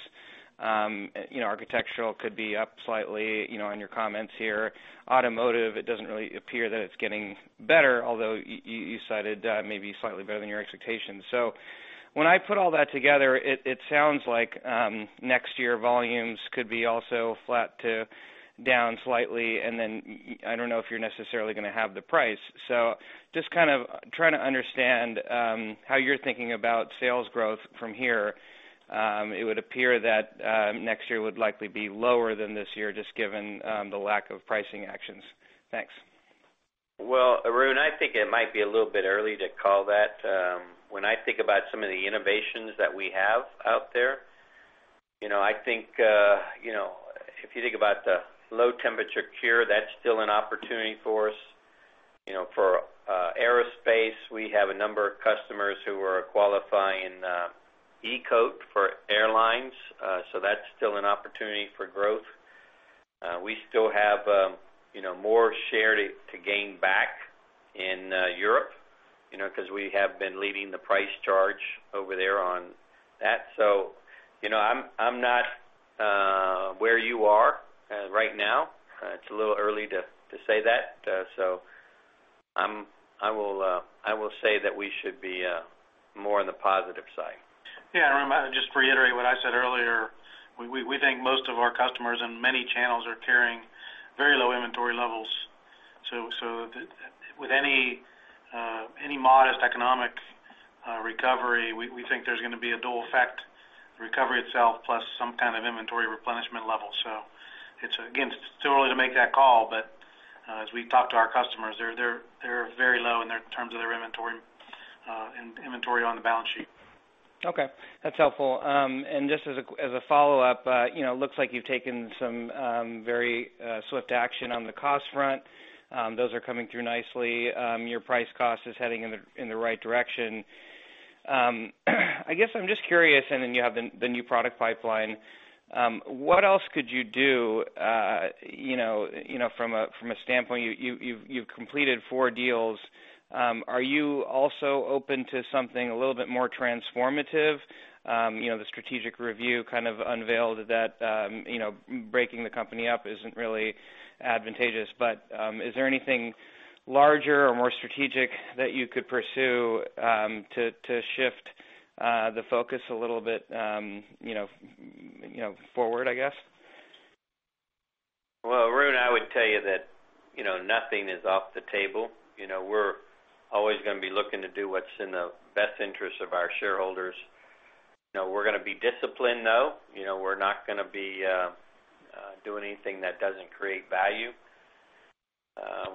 [SPEAKER 15] Architectural could be up slightly, in your comments here. Automotive, it doesn't really appear that it's getting better, although you cited maybe slightly better than your expectations. When I put all that together, it sounds like next year volumes could be also flat to down slightly, and then I don't know if you're necessarily going to have the price. Just kind of trying to understand how you're thinking about sales growth from here. It would appear that next year would likely be lower than this year, just given the lack of pricing actions. Thanks.
[SPEAKER 3] Well, Arun, I think it might be a little bit early to call that. When I think about some of the innovations that we have out there, if you think about the low temperature cure, that's still an opportunity for us. For aerospace, we have a number of customers who are qualifying E-coat for airlines. That's still an opportunity for growth. We still have more share to gain back in Europe, because we have been leading the price charge over there on that. I'm not where you are right now. It's a little early to say that. I will say that we should be more on the positive side.
[SPEAKER 5] Yeah, Arun, just to reiterate what I said earlier, we think most of our customers in many channels are carrying very low inventory levels. With any modest economic recovery, we think there's going to be a dual effect, the recovery itself plus some kind of inventory replenishment level. Again, it's too early to make that call, but as we talk to our customers, they're very low in terms of their inventory on the balance sheet.
[SPEAKER 15] Okay. That's helpful. Just as a follow-up, it looks like you've taken some very swift action on the cost front. Those are coming through nicely. Your price cost is heading in the right direction. I guess I'm just curious, you have the new product pipeline. What else could you do from a standpoint, you've completed four deals. Are you also open to something a little bit more transformative? The strategic review kind of unveiled that breaking the company up isn't really advantageous, but is there anything larger or more strategic that you could pursue to shift the focus a little bit forward, I guess?
[SPEAKER 3] Well, Arun, I would tell you that nothing is off the table. We're always going to be looking to do what's in the best interest of our shareholders. We're going to be disciplined, though. We're not going to be doing anything that doesn't create value.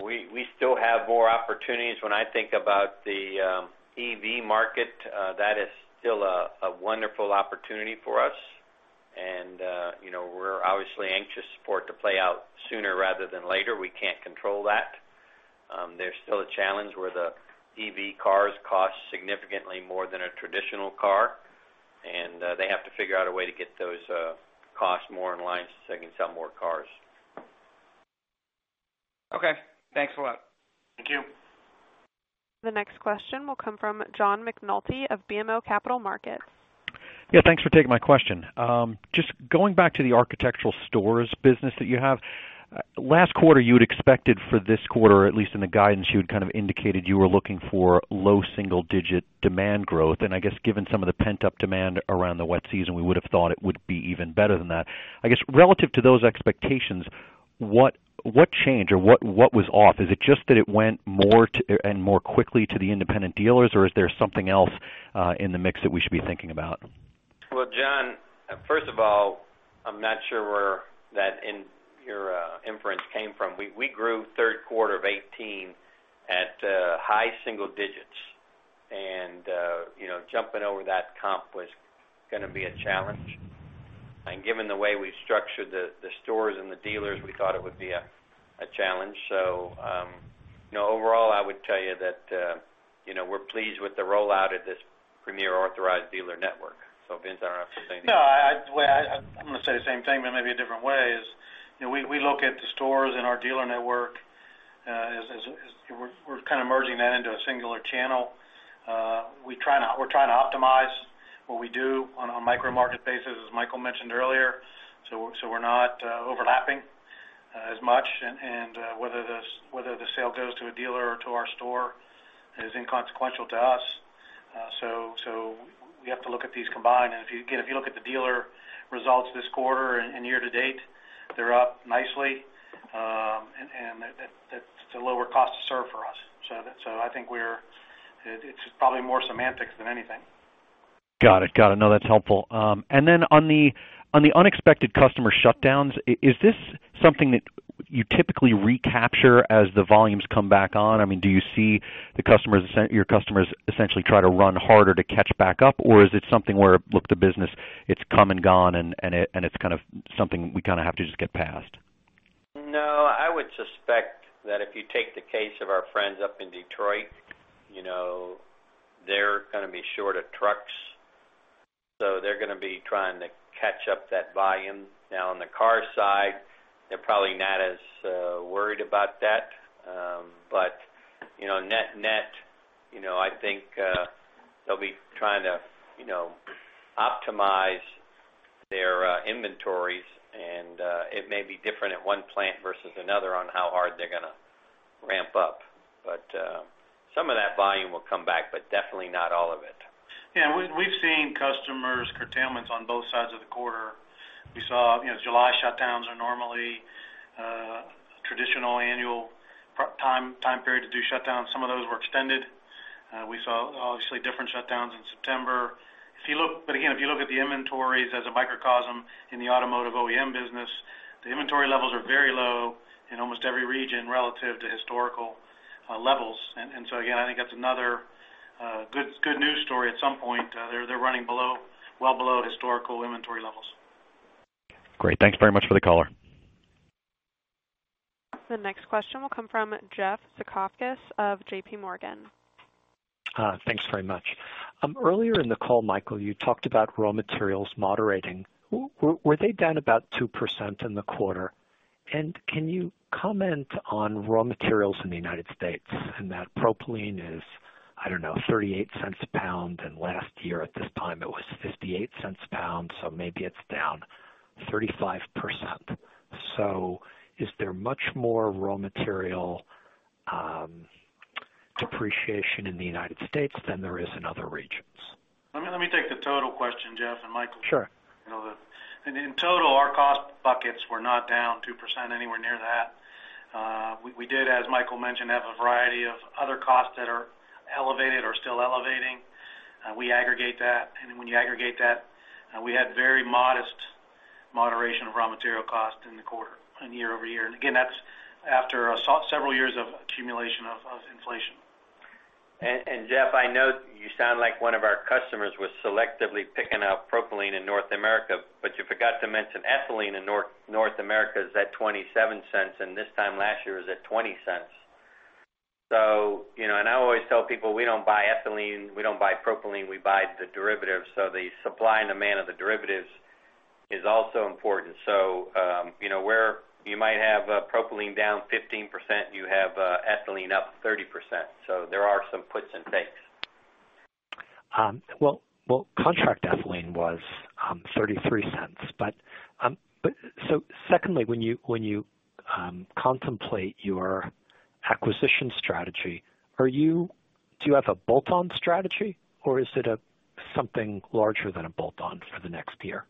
[SPEAKER 3] We still have more opportunities. When I think about the EV market, that is still a wonderful opportunity for us, and we're obviously anxious for it to play out sooner rather than later. We can't control that. There's still a challenge where the EV cars cost significantly more than a traditional car, and they have to figure out a way to get those costs more in line so they can sell more cars.
[SPEAKER 15] Okay. Thanks a lot.
[SPEAKER 5] Thank you.
[SPEAKER 1] The next question will come from John McNulty of BMO Capital Markets.
[SPEAKER 16] Yeah, thanks for taking my question. Just going back to the architectural stores business that you have. Last quarter, you had expected for this quarter, at least in the guidance, you had kind of indicated you were looking for low single-digit demand growth. I guess given some of the pent-up demand around the wet season, we would have thought it would be even better than that. I guess relative to those expectations, what changed or what was off? Is it just that it went more and more quickly to the independent dealers, or is there something else in the mix that we should be thinking about?
[SPEAKER 3] Well, John, first of all, I'm not sure where your inference came from? We grew third quarter of 2018 at high single digits. Jumping over that comp was going to be a challenge. Given the way we've structured the stores and the dealers, we thought it would be a challenge. Overall, I would tell you that we're pleased with the rollout of this Premier Authorized Dealer Network. Vince, I don't know if you have anything to add.
[SPEAKER 5] I'm going to say the same thing but maybe a different way is, we look at the stores and our dealer network, we're kind of merging that into a singular channel. We're trying to optimize what we do on a micro-market basis, as Michael mentioned earlier, so we're not overlapping as much. Whether the sale goes to a dealer or to our store is inconsequential to us. We have to look at these combined. Again, if you look at the dealer results this quarter and year to date, they're up nicely. That's a lower cost to serve for us. I think it's probably more semantics than anything.
[SPEAKER 16] Got it. No, that's helpful. Then on the unexpected customer shutdowns, is this something that you typically recapture as the volumes come back on? Do you see your customers essentially try to run harder to catch back up? Or is it something where, look, the business, it's come and gone, and it's something we kind of have to just get past?
[SPEAKER 3] No, I would suspect that if you take the case of our friends up in Detroit, they're going to be short of trucks, so they're going to be trying to catch up that volume. Now on the car side, they're probably not as worried about that. Net net, I think they'll be trying to optimize their inventories, and it may be different at one plant versus another on how hard they're going to ramp up. Some of that volume will come back, but definitely not all of it.
[SPEAKER 5] Yeah. We've seen customers curtailments on both sides of the quarter. We saw July shutdowns are normally a traditional annual time period to do shutdowns. Some of those were extended. We saw obviously different shutdowns in September. Again, if you look at the inventories as a microcosm in the automotive OEM business, the inventory levels are very low in almost every region relative to historical levels. Again, I think that's another good news story at some point. They're running well below historical inventory levels.
[SPEAKER 16] Great. Thanks very much for the caller.
[SPEAKER 1] The next question will come from Jeffrey Zekauskas of J.P. Morgan.
[SPEAKER 17] Thanks very much. Earlier in the call, Michael, you talked about raw materials moderating. Were they down about 2% in the quarter? Can you comment on raw materials in the U.S., and that propylene is, I don't know, $0.38 a pound, and last year at this time it was $0.58 a pound, so maybe it's down 35%. Is there much more raw material depreciation in the U.S. than there is in other regions?
[SPEAKER 5] Let me take the total question, Jeff.
[SPEAKER 17] Sure
[SPEAKER 5] the rest. In total, our cost buckets were not down 2%, anywhere near that. We did, as Michael mentioned, have a variety of other costs that are elevated or still elevating. We aggregate that. When you aggregate that, we had very modest moderation of raw material cost in the quarter and year-over-year. Again, that's after several years of accumulation of inflation.
[SPEAKER 3] Jeff, I know you sound like one of our customers with selectively picking out propylene in North America, but you forgot to mention ethylene in North America is at $0.27, and this time last year it was at $0.20. I always tell people, we don't buy ethylene, we don't buy propylene, we buy the derivatives. The supply and demand of the derivatives is also important. Where you might have propylene down 15%, you have ethylene up 30%. There are some puts and takes.
[SPEAKER 17] Well, contract ethylene was $0.33. Secondly, when you contemplate your acquisition strategy, do you have a bolt-on strategy or is it something larger than a bolt-on for the next year?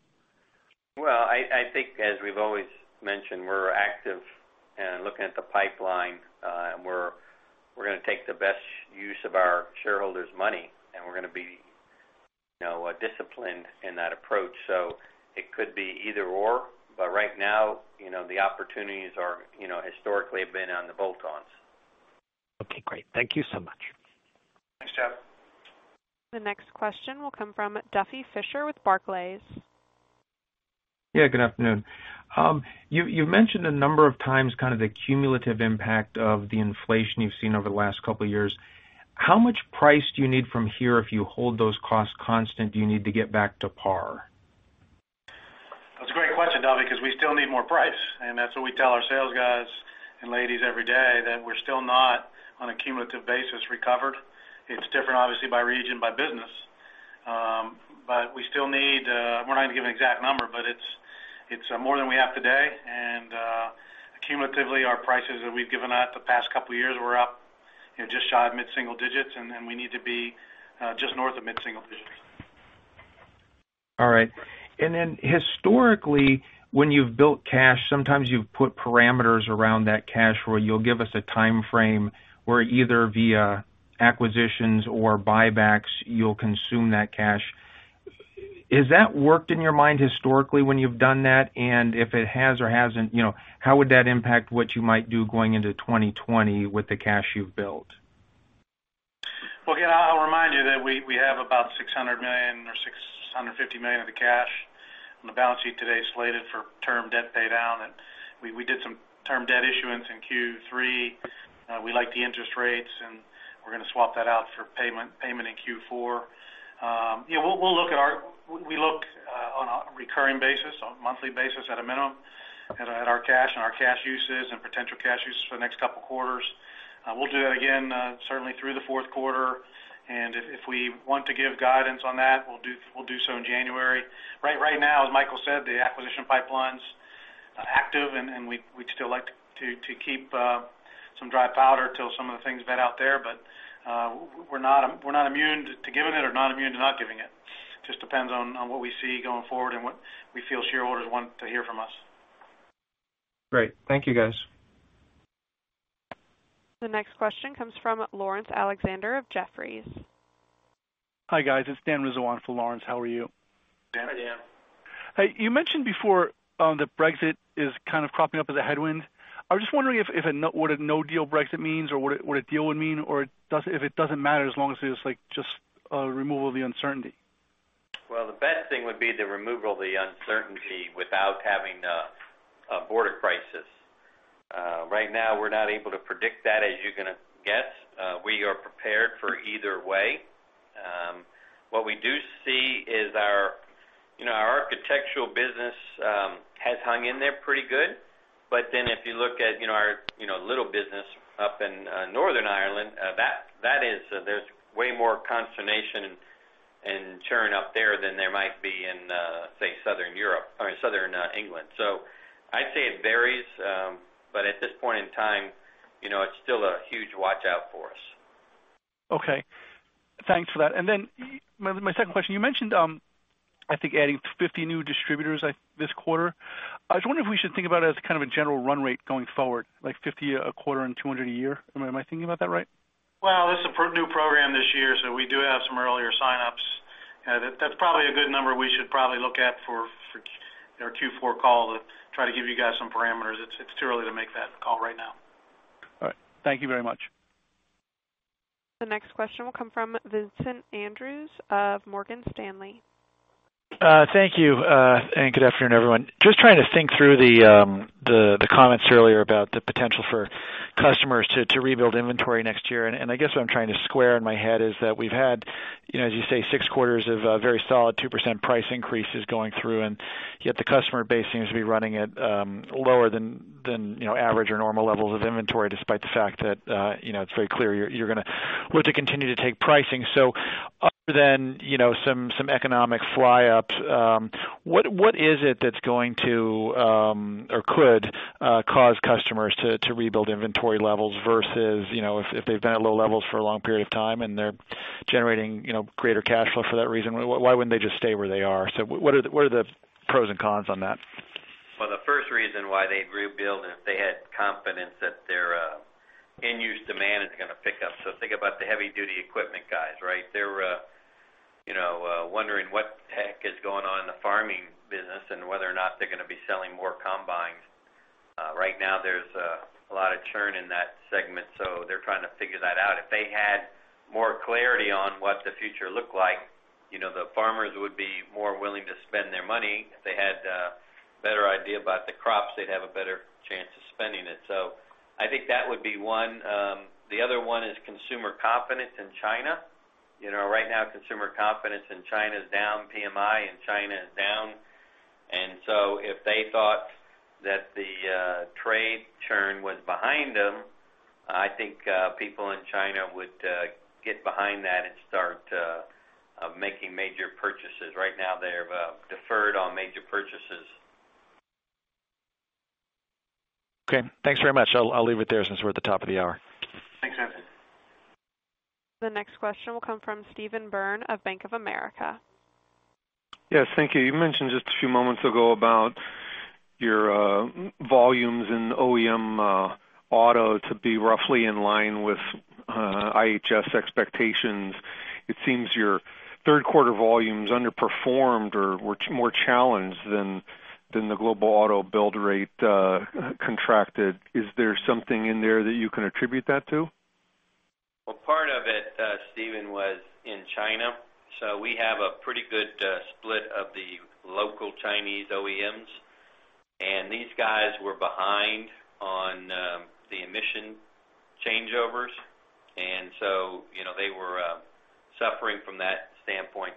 [SPEAKER 3] Well, I think as we've always mentioned, we're active in looking at the pipeline, and we're going to take the best use of our shareholders' money, and we're going to be disciplined in that approach. It could be either/or, but right now the opportunities historically have been on the bolt-ons.
[SPEAKER 17] Okay, great. Thank you so much.
[SPEAKER 5] Thanks, Jeff.
[SPEAKER 1] The next question will come from Duffy Fischer with Barclays.
[SPEAKER 18] Yeah, good afternoon. You've mentioned a number of times kind of the cumulative impact of the inflation you've seen over the last couple of years. How much price do you need from here if you hold those costs constant, do you need to get back to par?
[SPEAKER 5] That's a great question, Duffy, because we still need more price. That's what we tell our sales guys and ladies every day, that we're still not, on a cumulative basis, recovered. It's different obviously by region, by business. We're not going to give an exact number, but it's more than we have today. Cumulatively, our prices that we've given out the past couple of years were up just shy of mid-single digits, and we need to be just north of mid-single digits.
[SPEAKER 18] All right. Historically, when you've built cash, sometimes you've put parameters around that cash where you'll give us a timeframe where either via acquisitions or buybacks, you'll consume that cash. Has that worked in your mind historically when you've done that? If it has or hasn't, how would that impact what you might do going into 2020 with the cash you've built?
[SPEAKER 5] Well, again, I'll remind you that we have about $600 million or $650 million of the cash on the balance sheet today slated for term debt paydown. We did some term debt issuance in Q3. We like the interest rates, and we're going to swap that out for payment in Q4. We look on a recurring basis, on a monthly basis, at a minimum, at our cash and our cash uses and potential cash uses for the next couple of quarters. We'll do that again, certainly through the fourth quarter. If we want to give guidance on that, we'll do so in January. Right now, as Michael said, the acquisition pipeline's active, and we'd still like to keep some dry powder till some of the things vet out there. We're not immune to giving it or not immune to not giving it. Just depends on what we see going forward and what we feel shareholders want to hear from us.
[SPEAKER 18] Great. Thank you, guys.
[SPEAKER 1] The next question comes from Laurence Alexander of Jefferies.
[SPEAKER 19] Hi, guys. It's Daniel Rizzo for Laurence. How are you?
[SPEAKER 5] Hi, Dan.
[SPEAKER 19] Hey, you mentioned before that Brexit is kind of cropping up as a headwind. I was just wondering what a no-deal Brexit means, or what a deal would mean, or if it doesn't matter as long as it's just a removal of the uncertainty.
[SPEAKER 5] Well, the best thing would be the removal of the uncertainty without having a border crisis. Right now, we're not able to predict that, as you're going to guess. We are prepared for either way. If you look at our little business up in Northern Ireland, there's way more consternation and churn up there than there might be in, say, Southern England. I'd say it varies. At this point in time, it's still a huge watch-out for us.
[SPEAKER 19] Okay. Thanks for that. My second question, you mentioned, I think, adding 50 new distributors this quarter. I was wondering if we should think about it as kind of a general run rate going forward, like 50 a quarter and 200 a year. Am I thinking about that right?
[SPEAKER 5] Well, this is a new program this year, so we do have some earlier sign-ups. That's probably a good number we should probably look at for our Q4 call to try to give you guys some parameters. It's too early to make that call right now.
[SPEAKER 19] All right. Thank you very much.
[SPEAKER 1] The next question will come from Vincent Andrews of Morgan Stanley.
[SPEAKER 20] Thank you. Good afternoon, everyone. Just trying to think through the comments earlier about the potential for customers to rebuild inventory next year. I guess what I'm trying to square in my head is that we've had, as you say, six quarters of very solid 2% price increases going through, and yet the customer base seems to be running at lower than average or normal levels of inventory, despite the fact that it's very clear you're going to look to continue to take pricing. Other than some economic fly-ups, what is it that's going to, or could cause customers to rebuild inventory levels versus if they've been at low levels for a long period of time and they're generating greater cash flow for that reason, why wouldn't they just stay where they are? What are the pros and cons on that?
[SPEAKER 5] Well, the first reason why they'd rebuild is if they had confidence that their end-use demand is going to pick up. Think about the heavy-duty equipment guys, right? They're wondering what the heck is going on in the farming business and whether or not they're going to be selling more combines. Right now, there's a lot of churn in that segment. They're trying to figure that out. If they had more clarity on what the future looked like, the farmers would be more willing to spend their money. If they had a better idea about the crops, they'd have a better chance of spending it. I think that would be one. The other one is consumer confidence in China. Right now, consumer confidence in China is down. PMI in China is down. If they thought that the trade churn was behind them, I think people in China would get behind that and start making major purchases. Right now, they're deferred on major purchases.
[SPEAKER 20] Okay. Thanks very much. I'll leave it there since we're at the top of the hour.
[SPEAKER 5] Thanks, Vincent.
[SPEAKER 1] The next question will come from Stephen Byrne of Bank of America.
[SPEAKER 21] Yes. Thank you. You mentioned just a few moments ago about your volumes in OEM auto to be roughly in line with IHS expectations. It seems your third quarter volumes underperformed or were more challenged than the global auto build rate contracted. Is there something in there that you can attribute that to?
[SPEAKER 5] Well, part of it, Stephen, was in China. We have a pretty good split of the local Chinese OEMs. These guys were behind on the emission changeovers, they were suffering from that standpoint.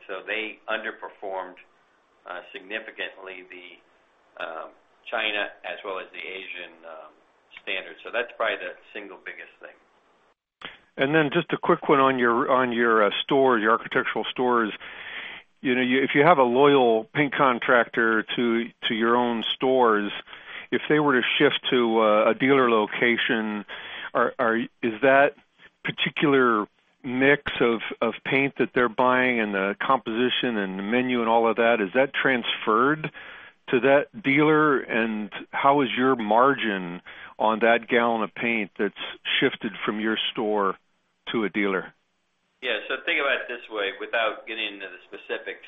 [SPEAKER 5] That's probably the single biggest thing.
[SPEAKER 21] Just a quick one on your store, your architectural stores. If you have a loyal paint contractor to your own stores, if they were to shift to a dealer location, is that particular mix of paint that they're buying and the composition and the menu and all of that, is that transferred to that dealer? How is your margin on that gallon of paint that's shifted from your store to a dealer?
[SPEAKER 5] Yeah. Think about it this way, without getting into the specifics.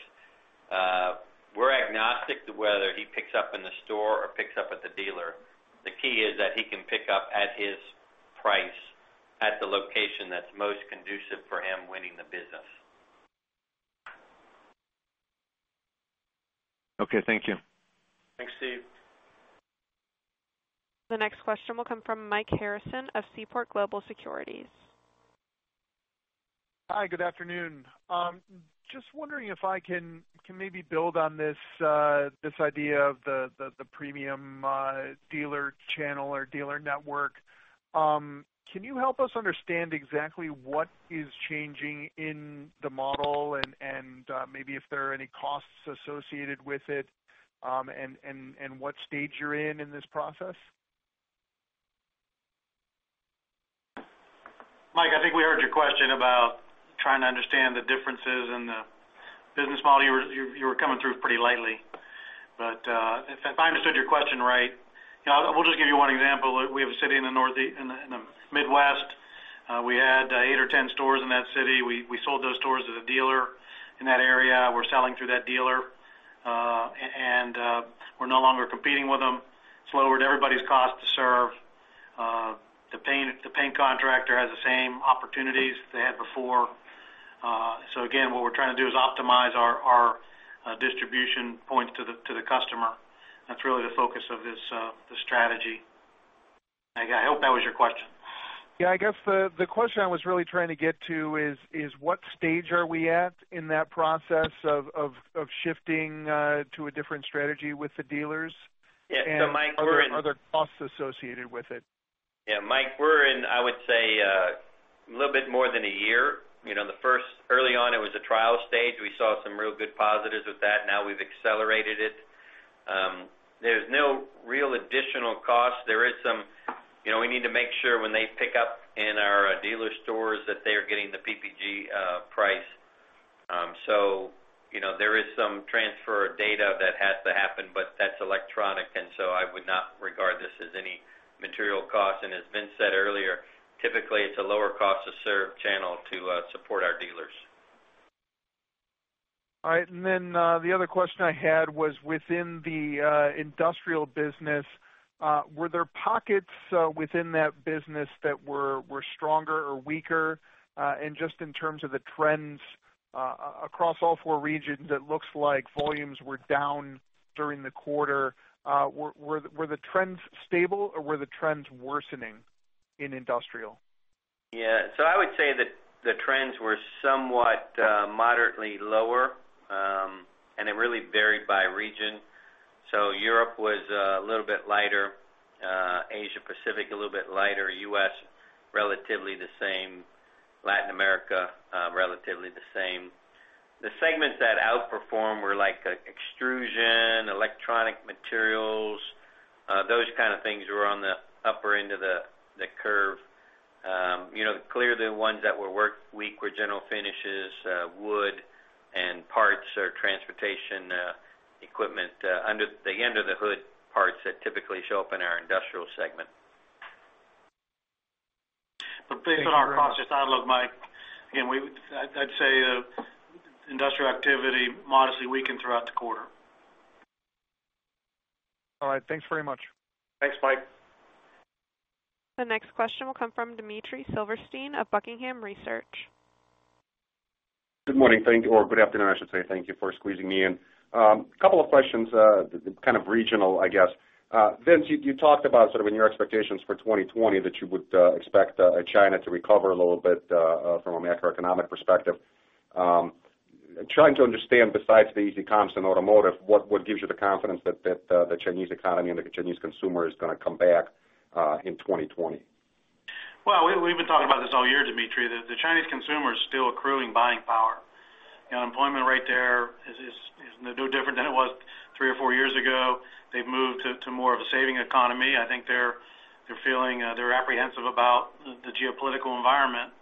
[SPEAKER 5] We're agnostic to whether he picks up in the store or picks up at the dealer. The key is that he can pick up at his price at the location that's most conducive for him winning the business.
[SPEAKER 21] Okay. Thank you.
[SPEAKER 5] Thanks, Steve.
[SPEAKER 1] The next question will come from Mike Harrison of Seaport Global Securities.
[SPEAKER 22] Hi, good afternoon. Just wondering if I can maybe build on this idea of the premium dealer channel or dealer network. Can you help us understand exactly what is changing in the model and maybe if there are any costs associated with it, and what stage you're in this process?
[SPEAKER 5] Mike, I think we heard your question about trying to understand the differences in the business model. You were coming through pretty lightly. If I understood your question right, we'll just give you one example. We have a city in the Midwest. We had eight or 10 stores in that city. We sold those stores to the dealer in that area. We're selling through that dealer. We're no longer competing with them. It's lowered everybody's cost to serve. The paint contractor has the same opportunities they had before. Again, what we're trying to do is optimize our distribution points to the customer. That's really the focus of this strategy. Mike, I hope that was your question.
[SPEAKER 22] Yeah, I guess the question I was really trying to get to is what stage are we at in that process of shifting to a different strategy with the dealers?
[SPEAKER 5] Yeah. Mike, we're
[SPEAKER 22] Are there costs associated with it?
[SPEAKER 3] Yeah, Mike, we're in, I would say, a little bit more than a year. Early on, it was a trial stage. We saw some real good positives with that. Now we've accelerated it. There's no real additional cost. We need to make sure when they pick up in our dealer stores that they are getting the PPG price. There is some transfer of data that has to happen, but that's electronic, and so I would not regard this as any material cost. As Vince said earlier, typically, it's a lower cost to serve channel to support our dealers.
[SPEAKER 22] All right. Then, the other question I had was within the Industrial Coatings business, were there pockets within that business that were stronger or weaker? Just in terms of the trends across all four regions, it looks like volumes were down during the quarter. Were the trends stable or were the trends worsening in Industrial Coatings?
[SPEAKER 5] Yeah. I would say that the trends were somewhat moderately lower, and it really varied by region. Europe was a little bit lighter, Asia Pacific a little bit lighter, U.S. relatively the same, Latin America, relatively the same. The segments that outperformed were like extrusion, electronic materials, those kind of things were on the upper end of the curve. Clearly the ones that were weak were general finishes, wood, and parts or transportation equipment, the under-the-hood parts that typically show up in our Industrial Segment.
[SPEAKER 22] Thanks very much.
[SPEAKER 5] Based on our process outlook, Mike, again, I'd say industrial activity modestly weakened throughout the quarter.
[SPEAKER 22] All right. Thanks very much.
[SPEAKER 5] Thanks, Mike.
[SPEAKER 1] The next question will come from Dmitry Silversteyn of Buckingham Research.
[SPEAKER 23] Good morning, thank you. Or good afternoon, I should say. Thank you for squeezing me in. Couple of questions, kind of regional, I guess. Vince, you talked about sort of in your expectations for 2020 that you would expect China to recover a little bit, from a macroeconomic perspective. Trying to understand, besides the easy comps in automotive, what gives you the confidence that the Chinese economy and the Chinese consumer is going to come back in 2020?
[SPEAKER 5] Well, we've been talking about this all year, Dmitry. The Chinese consumer is still accruing buying power. Unemployment rate there is no different than it was three or four years ago. They've moved to more of a saving economy. I think they're apprehensive about the geopolitical environment.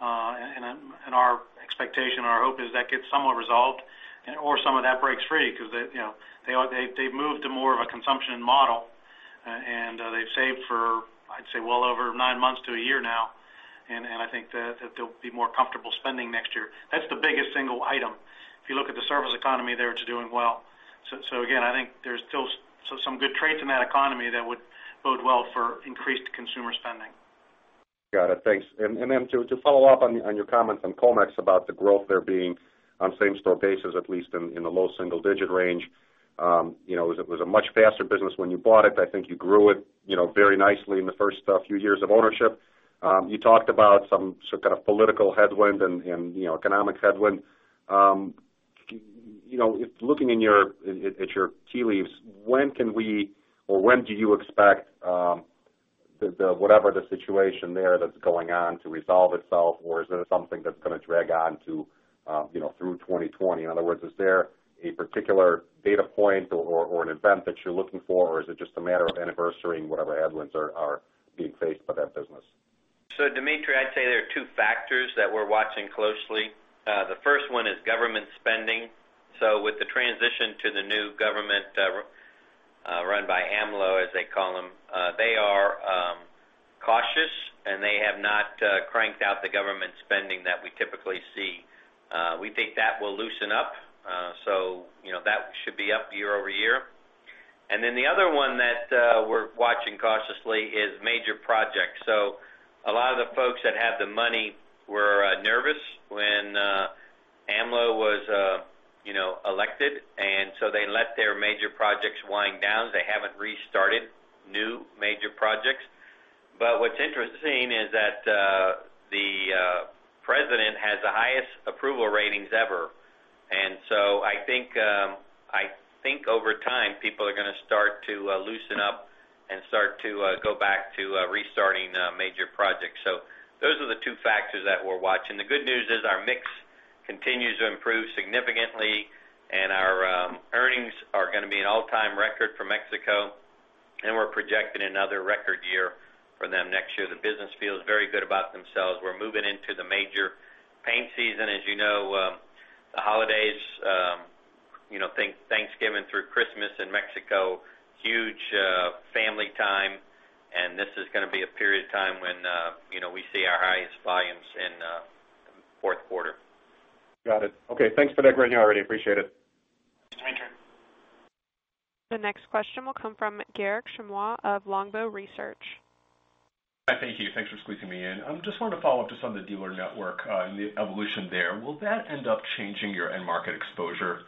[SPEAKER 5] Our expectation, our hope is that gets somewhat resolved or some of that breaks free because they've moved to more of a consumption model, and they've saved for, I'd say, well over nine months to a year now, and I think that they'll be more comfortable spending next year. That's the biggest single item. If you look at the service economy there, it's doing well. Again, I think there's still some good traits in that economy that would bode well for increased consumer spending.
[SPEAKER 23] Got it. Thanks. To follow up on your comments on Comex about the growth there being on same store basis, at least in the low single-digit range. It was a much faster business when you bought it. I think you grew it very nicely in the first few years of ownership. You talked about some sort of political headwind and economic headwind. Looking at your tea leaves, when do you expect whatever the situation there that's going on to resolve itself? Is it something that's going to drag on through 2020? In other words, is there a particular data point or an event that you're looking for, or is it just a matter of anniversarying whatever headwinds are being faced by that business?
[SPEAKER 3] Dmitry, I'd say there are two factors that we're watching closely. The first one is government spending. With the transition to the new government run by AMLO, as they call him, they are cautious, and they have not cranked out the government spending that we typically see. We think that will loosen up, so that should be up year-over-year. The other one that we're watching cautiously is major projects. A lot of the folks that had the money were nervous when AMLO was elected, and so they let their major projects wind down. They haven't restarted new major projects. What's interesting is that the president has the highest approval ratings ever. I think over time, people are going to start to loosen up and start to go back to restarting major projects. Those are the two factors that we're watching. The good news is our mix continues to improve significantly, and our earnings are going to be an all-time record for Mexico, and we're projecting another record year for them next year. The business feels very good about themselves. We're moving into the major paint season. As you know, the holidays, Thanksgiving through Christmas in Mexico, huge family time, and this is going to be a period of time when we see our highest volumes in fourth quarter.
[SPEAKER 23] Got it. Okay, thanks for that, [Garry], I really appreciate it.
[SPEAKER 3] Thanks, Dmitry.
[SPEAKER 1] The next question will come from Garik Shmois of Longbow Research.
[SPEAKER 24] Hi, thank you. Thanks for squeezing me in. I just wanted to follow up just on the dealer network and the evolution there. Will that end up changing your end market exposure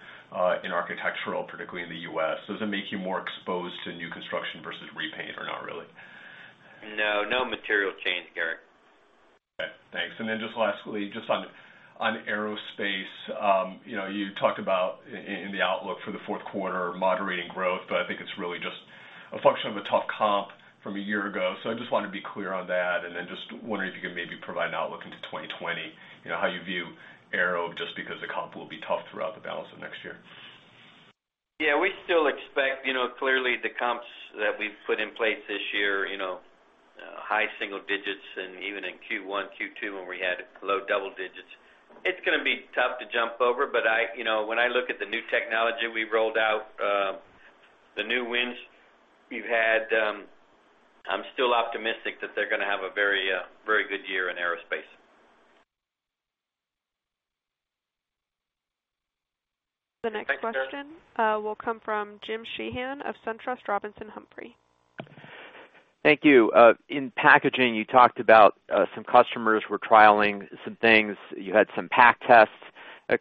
[SPEAKER 24] in architectural, particularly in the U.S.? Does it make you more exposed to new construction versus repaint, or not really?
[SPEAKER 3] No. No material change, Garik.
[SPEAKER 24] Okay, thanks. Lastly, just on aerospace. You talked about, in the outlook for the fourth quarter, moderating growth, but I think it's really just a function of a tough comp from a year ago. I just wanted to be clear on that. Just wondering if you could maybe provide an outlook into 2020, how you view aero, just because the comp will be tough throughout the balance of next year.
[SPEAKER 3] Yeah, we still expect, clearly the comps that we've put in place this year, high single digits, and even in Q1, Q2, when we had low double digits. It's going to be tough to jump over, but when I look at the new technology we've rolled out, the new wins we've had, I'm still optimistic that they're going to have a very good year in aerospace. Thanks, Garik.
[SPEAKER 1] The next question will come from Jim Sheehan of SunTrust Robinson Humphrey.
[SPEAKER 25] Thank you. In packaging, you talked about some customers were trialing some things. You had some pack tests.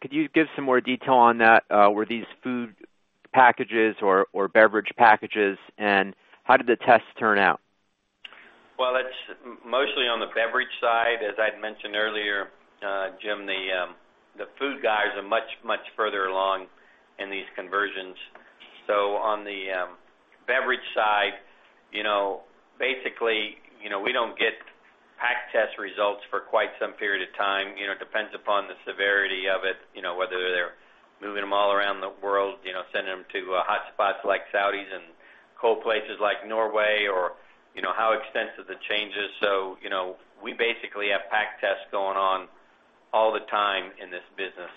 [SPEAKER 25] Could you give some more detail on that? Were these food packages or beverage packages, and how did the tests turn out?
[SPEAKER 3] Well, that's mostly on the beverage side. As I'd mentioned earlier, Jim, the food guys are much, much further along in these conversions. On the beverage side, basically, we don't get pack test results for quite some period of time. It depends upon the severity of it, whether they're moving them all around the world, sending them to hot spots like Saudi and cold places like Norway, or how extensive the change is. We basically have pack tests going on all the time in this business.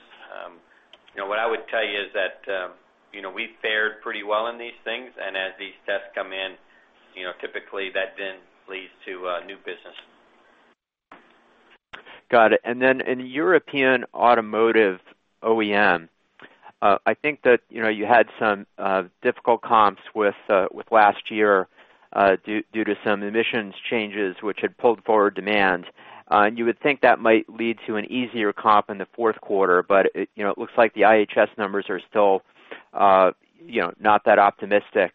[SPEAKER 3] What I would tell you is that we've fared pretty well in these things, and as these tests come in, typically that then leads to new business.
[SPEAKER 25] Got it. In European automotive OEM, I think that you had some difficult comps with last year due to some emissions changes which had pulled forward demand. You would think that might lead to an easier comp in the fourth quarter, but it looks like the IHS numbers are still not that optimistic.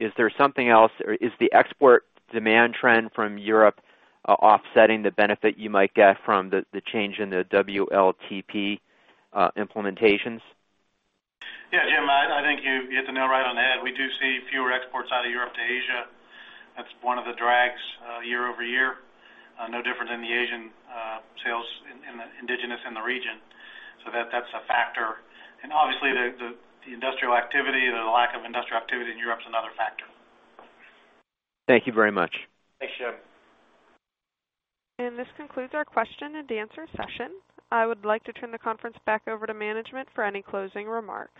[SPEAKER 25] Is there something else? Is the export demand trend from Europe offsetting the benefit you might get from the change in the WLTP implementations?
[SPEAKER 5] Yeah, Jim, I think you hit the nail right on the head. We do see fewer exports out of Europe to Asia. That's one of the drags year-over-year. No different than the Asian sales indigenous in the region. That's a factor. Obviously, the industrial activity, the lack of industrial activity in Europe is another factor.
[SPEAKER 25] Thank you very much.
[SPEAKER 5] Thanks, Jim.
[SPEAKER 1] This concludes our question and answer session. I would like to turn the conference back over to management for any closing remarks.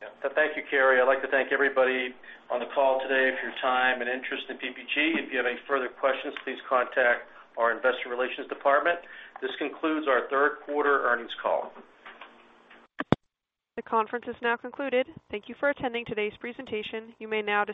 [SPEAKER 5] Yeah. Thank you, Carrie. I'd like to thank everybody on the call today for your time and interest in PPG. If you have any further questions, please contact our investor relations department. This concludes our third quarter earnings call.
[SPEAKER 1] The conference is now concluded. Thank you for attending today's presentation. You may now disconnect.